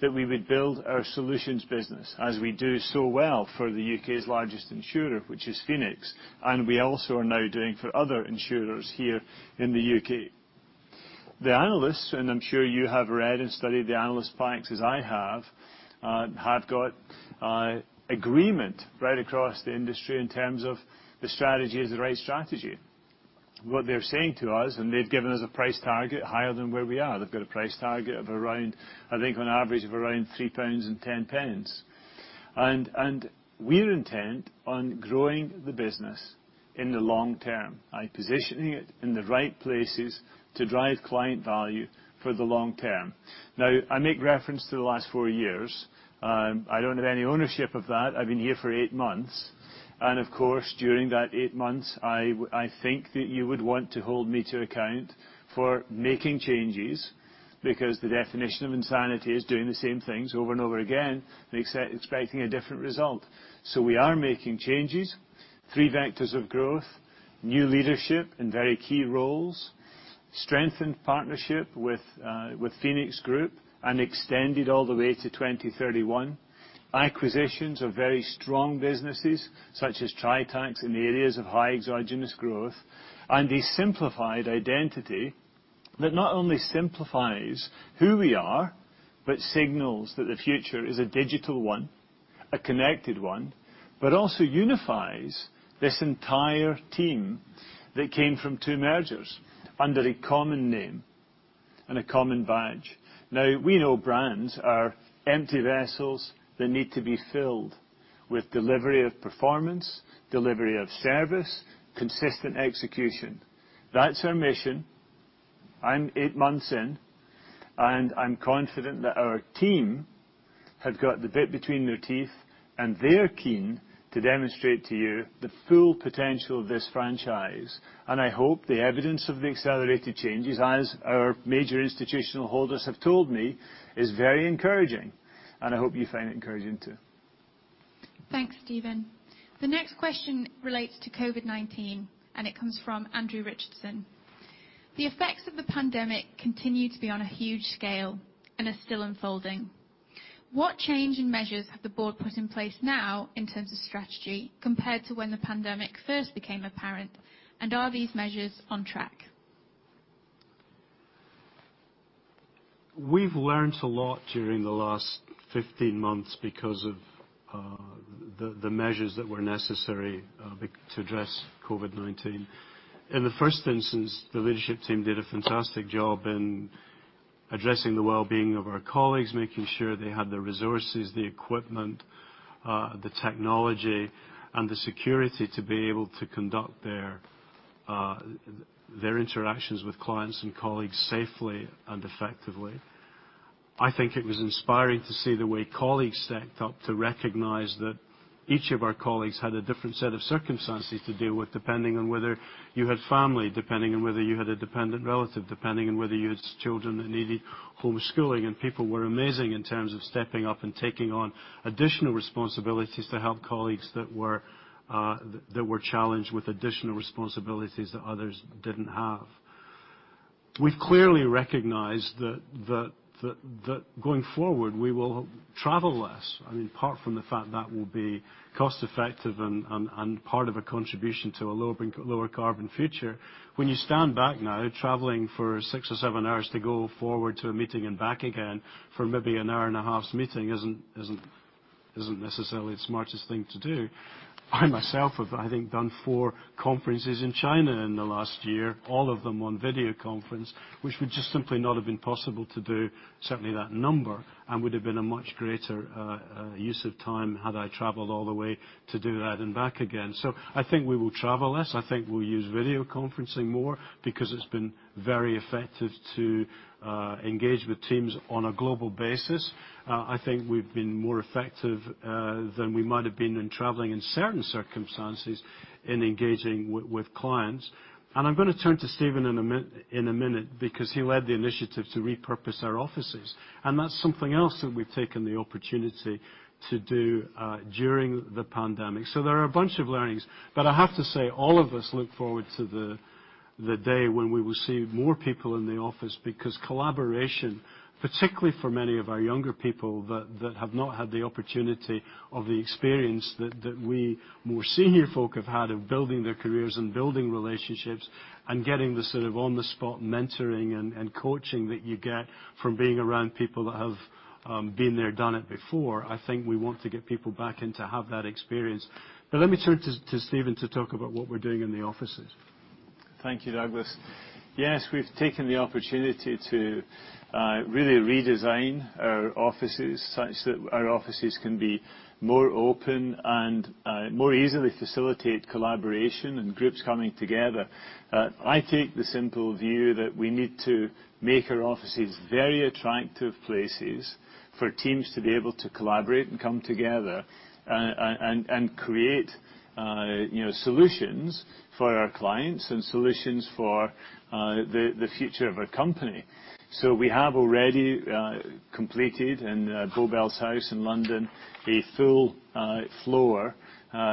That we would build our solutions business as we do so well for the U.K.'s largest insurer, which is Phoenix, and we also are now doing for other insurers here in the U.K. The analysts, and I'm sure you have read and studied the analyst facts as I have got agreement right across the industry in terms of the strategy is the right strategy. What they're saying to us, they've given us a price target higher than where we are they've got a price target of around, I think, on average of around 3.10 pounds. We're intent on growing the business in the long term. I'm positioning it in the right places to drive client value for the long term. I make reference to the last four years. I don't have any ownership of that, i've been here for eight months. And of course, during that eight months, I think that you would want to hold me to account for making changes, because the definition of insanity is doing the same things over and over again and expecting a different result. We are making changes, three vectors of growth, new leadership in very key roles, strengthened partnership with Phoenix Group and extended all the way to 2031. Acquisitions of very strong businesses, such as Tritax, in the areas of high exogenous growth, and a simplified identity that not only simplifies who we are, but signals that the future is a digital one, a connected one, but also unifies this entire team that came from two mergers under a common name and a common badge. Now, we know brands are empty vessels that need to be filled with delivery of performance, delivery of service, consistent execution. That's our mission. I'm eight months in. I'm confident that our team have got the bit between their teeth, they're keen to demonstrate to you the full potential of this franchise. I hope the evidence of the accelerated changes, as our major institutional holders have told me, is very encouraging. I hope you find it encouraging, too. Thanks, Steven. The next question relates to COVID-19, and it comes from Andrew Richardson. The effects of the pandemic continue to be on a huge scale and are still unfolding. What change in measures have the board put in place now, in terms of strategy, compared to when the pandemic first became apparent, are these measures on track? We've learned a lot during the last 15 months because of the measures that were necessary to address COVID-19. In the first instance, the leadership team did a fantastic job in addressing the wellbeing of our colleagues, making sure they had the resources, the equipment, the technology, and the security to be able to conduct their interactions with clients and colleagues safely and effectively. I think it was inspiring to see the way colleagues stepped up to recognize that each of our colleagues had a different set of circumstances to deal with, depending on whether you had family, depending on whether you had a dependent relative, depending on whether you had children that needed homeschooling people were amazing in terms of stepping up and taking on additional responsibilities to help colleagues that were challenged with additional responsibilities that others didn't have. We've clearly recognized that going forward, we will travel less apart from the fact that will be cost effective and part of a contribution to a lower carbon future. When you stand back now, traveling for six or seven hours to go forward to a meeting and back again for maybe an hour and a half's meeting isn't necessarily the smartest thing to do. I myself have, I think, done four conferences in China in the last year, all of them on video conference, which would just simply not have been possible to do, certainly that number, and would've been a much greater use of time had I traveled all the way to do that and back again. I think we will travel less. I think we'll use video conferencing more because it's been very effective to engage with teams on a global basis. I think we've been more effective than we might have been in traveling in certain circumstances in engaging with clients. I'm going to turn to Steven Bird in a minute because he led the initiative to repurpose our offices, and that's something else that we've taken the opportunity to do during the pandemic so there are a bunch of learnings. I have to say, all of us look forward to the day when we will see more people in the office, because collaboration- Particularly for many of our younger people that have not had the opportunity or the experience that we more senior folk have had of building their careers and building relationships and getting the sort of on-the-spot mentoring and coaching that you get from being around people that have been there, done it before i think we want to get people back in to have that experience. Let me turn to Steven to talk about what we're doing in the offices. Thank you, Douglas. Yes, we've taken the opportunity to really redesign our offices such that our offices can be more open and more easily facilitate collaboration and groups coming together. I take the simple view that we need to make our offices very attractive places for teams to be able to collaborate and come together, and create solutions for our clients and solutions for the future of our company. We have already completed in Bow Bells House in London a full floor,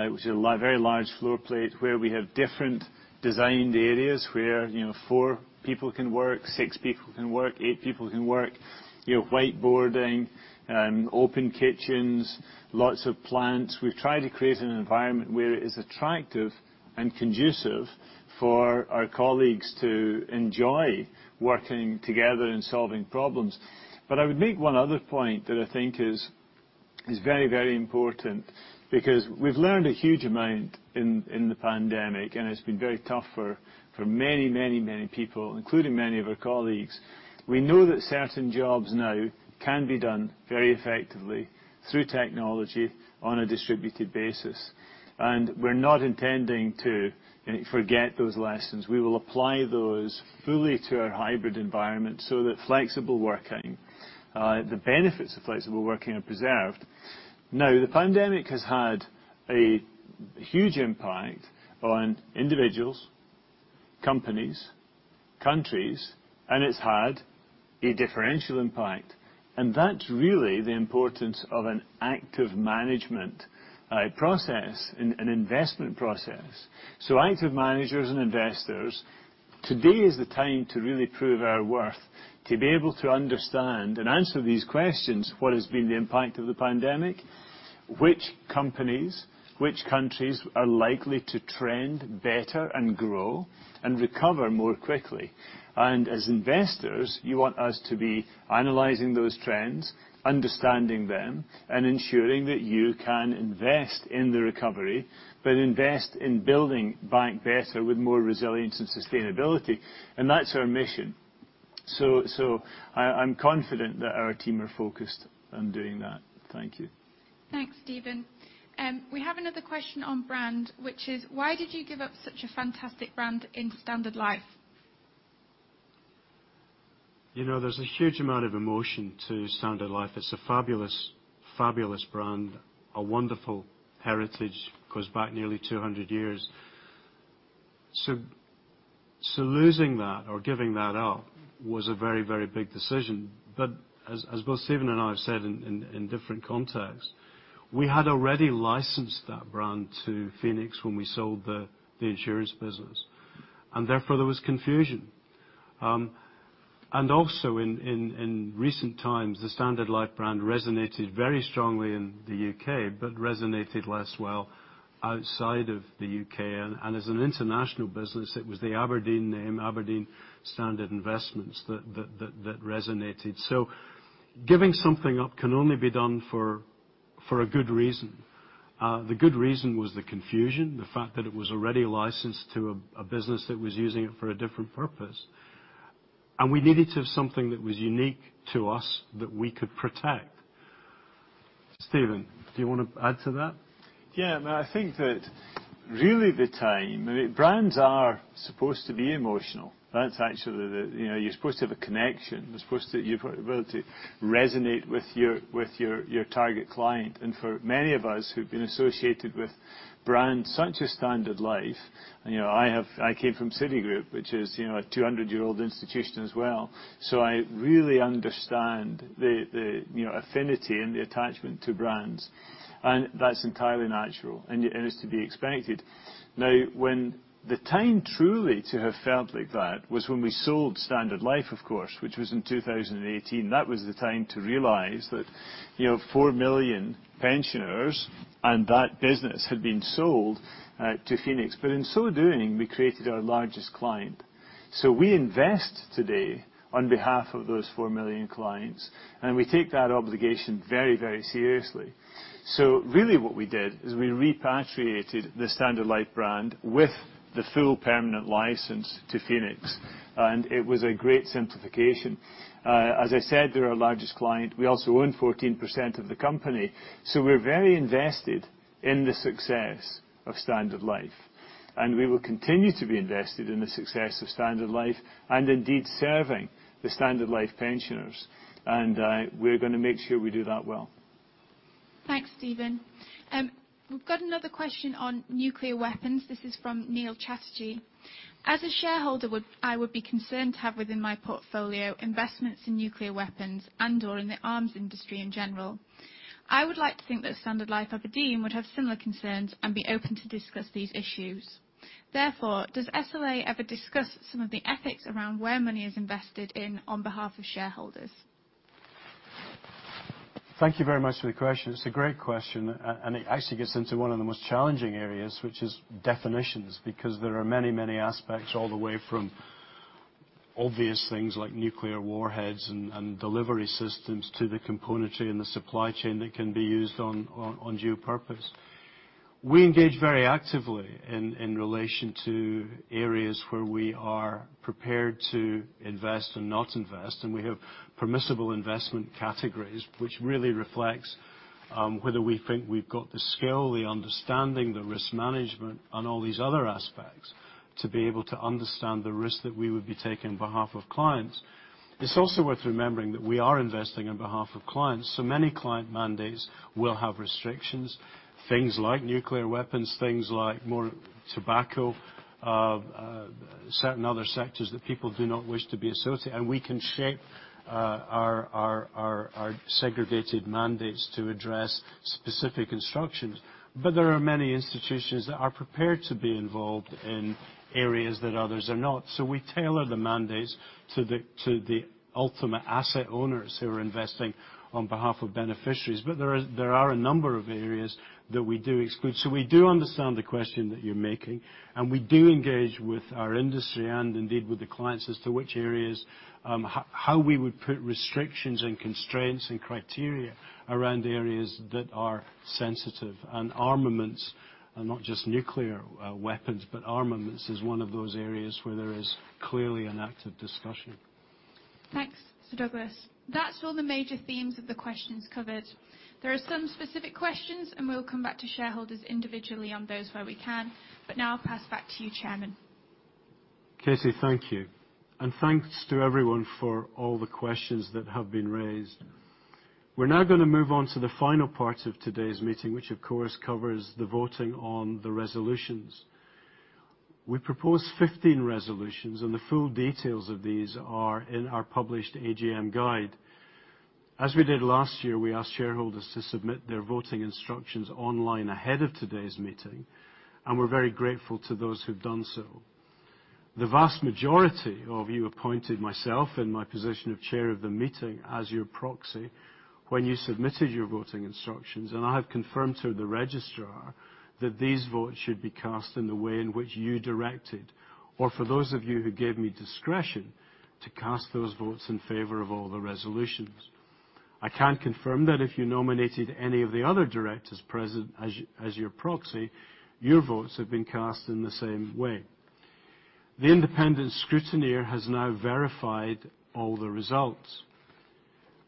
which is a very large floor plate, where we have different designed areas where four people can work, six people can work, eight people can work, whiteboarding, open kitchens, lots of plants we've tried to create an environment where it is attractive and conducive for our colleagues to enjoy working together and solving problems. I would make one other point that I think is very, very important because we've learned a huge amount in the pandemic, and it's been very tough for many, many people, including many of our colleagues. We know that certain jobs now can be done very effectively through technology on a distributed basis, and we're not intending to forget those lessons we will apply those fully to our hybrid environment so that flexible working, the benefits of flexible working are preserved. The pandemic has had a huge impact on individuals, companies, countries, and it's had a differential impact, and that's really the importance of an active management process and an investment process. Active managers and investors, today is the time to really prove our worth, to be able to understand and answer these questions what has been the impact of the pandemic? Which companies, which countries are likely to trend better and grow and recover more quickly? As investors, you want us to be analyzing those trends, understanding them, and ensuring that you can invest in the recovery, but invest in building back better with more resilience and sustainability. That's our mission. I'm confident that our team are focused on doing that. Thank you. Thanks, Steven. We have another question on brand, which is, why did you give up such a fantastic brand in Standard Life? There's a huge amount of emotion to Standard Life it's a fabulous brand, a wonderful heritage, goes back nearly 200 years. Losing that or giving that up was a very, very big decision. As both Steven and I have said in different contexts, we had already licensed that brand to Phoenix when we sold the insurance business, and therefore there was confusion. Also in recent times, the Standard Life brand resonated very strongly in the U.K. but resonated less well outside of the U.K. as an international business, it was the Aberdeen name, Aberdeen Standard Investments, that resonated so, giving something up can only be done for a good reason. The good reason was the confusion, the fact that it was already licensed to a business that was using it for a different purpose. We needed to have something that was unique to us that we could protect. Steven, do you want to add to that? I think that really the time brands are supposed to be emotional. You're supposed to have a connection. You're supposed to be able to resonate with your target client for many of us who've been associated with brands such as Standard Life, I came from Citigroup, which is a 200-year-old institution as well. I really understand the affinity and the attachment to brands, and that's entirely natural, and it's to be expected. Now, when the time truly to have felt like that was when we sold Standard Life, of course, which was in 2018 that was the time to realize that 4 million pensioners and that business had been sold to Phoenix in so doing, we created our largest client. We invest today on behalf of those 4 million clients, and we take that obligation very, very seriously. Really what we did is we repatriated the Standard Life brand with the full permanent license to Phoenix, and it was a great simplification. As I said, they're our largest client we also own 14% of the company. We're very invested in the success of Standard Life, and we will continue to be invested in the success of Standard Life, and indeed serving the Standard Life pensioners. We're going to make sure we do that well. Thanks, Steven. We've got another question on nuclear weapons this is from Neil Chastity. As a shareholder, I would be concerned to have within my portfolio investments in nuclear weapons and/or in the arms industry in general. I would like to think that Standard Life Aberdeen would have similar concerns and be open to discuss these issues. Therefore, does SLA ever discuss some of the ethics around where money is invested in on behalf of shareholders? Thank you very much for the question. It's a great question, and it actually gets into one of the most challenging areas, which is definitions, because there are many, many aspects all the way from obvious things like nuclear warheads and delivery systems to the componentry and the supply chain that can be used on dual purpose. We engage very actively in relation to areas where we are prepared to invest and not invest, and we have permissible investment categories, which really reflects whether we think we've got the skill, the understanding, the risk management, and all these other aspects to be able to understand the risk that we would be taking on behalf of clients. It's also worth remembering that we are investing on behalf of clients so many client mandates will have restrictions, things like nuclear weapons, things like no tobacco, certain other sectors that people do not wish to be associated we can shape our segregated mandates to address specific instructions. There are many institutions that are prepared to be involved in areas that others are not so we tailor the mandates to the ultimate asset owners who are investing on behalf of beneficiaries there are a number of areas that we do exclude so we do understand the question that you're making, and we do engage with our industry and indeed with the clients as to which areas, how we would put restrictions and constraints and criteria around areas that are sensitive and armaments are not just nuclear weapons, but armaments is one of those areas where there is clearly an active discussion. Thanks, Sir Douglas. That's all the major themes of the questions covered. There are some specific questions, and we'll come back to shareholders individually on those where we can. Now I'll pass back to you, Chairman. Katy, thank you. Thanks to everyone for all the questions that have been raised. We're now going to move on to the final part of today's meeting, which of course covers the voting on the resolutions. We propose 15 resolutions the full details of these are in our published AGM guide. As we did last year, we asked shareholders to submit their voting instructions online ahead of today's meeting. We're very grateful to those who've done so. The vast majority of you appointed myself and my position of Chair of the meeting as your proxy when you submitted your voting instructions i have confirmed to the registrar that these votes should be cast in the way in which you directed. For those of you who gave me discretion to cast those votes in favor of all the resolutions. I can confirm that if you nominated any of the other directors present as your proxy, your votes have been cast in the same way. The independent scrutineer has now verified all the results.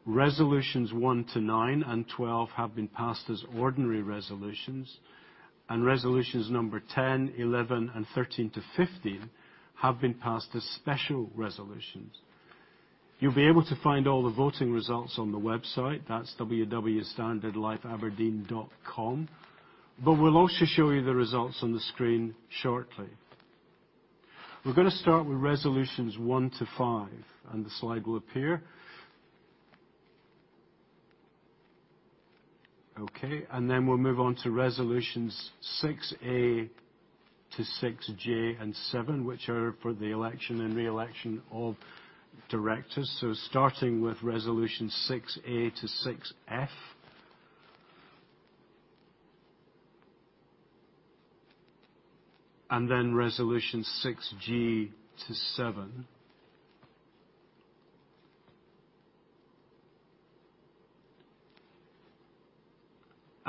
Resolutions 1-9 and 12 have been passed as ordinary resolutions, and resolutions number 10, 11, and 13-15 have been passed as special resolutions. You'll be able to find all the voting results on the website that's www.standardlifeaberdeen.com. We'll also show you the results on the screen shortly. We're going to start with resolutions 1-5, and the slide will appear. Okay, we'll move on to resolutions 6A-6J and 7, which are for the election and re-election of directors. Starting with resolution 6A-6F. Resolution 6G-7.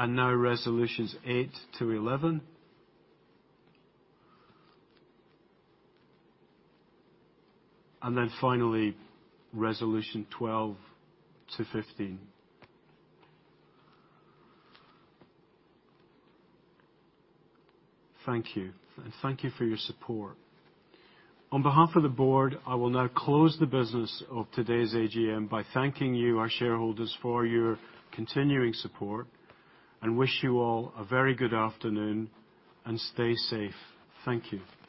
Now resolutions 8-11. Finally, resolution 12-15. Thank you. Thank you for your support. On behalf of the board, I will now close the business of today's AGM by thanking you, our shareholders, for your continuing support and wish you all a very good afternoon and stay safe. Thank you.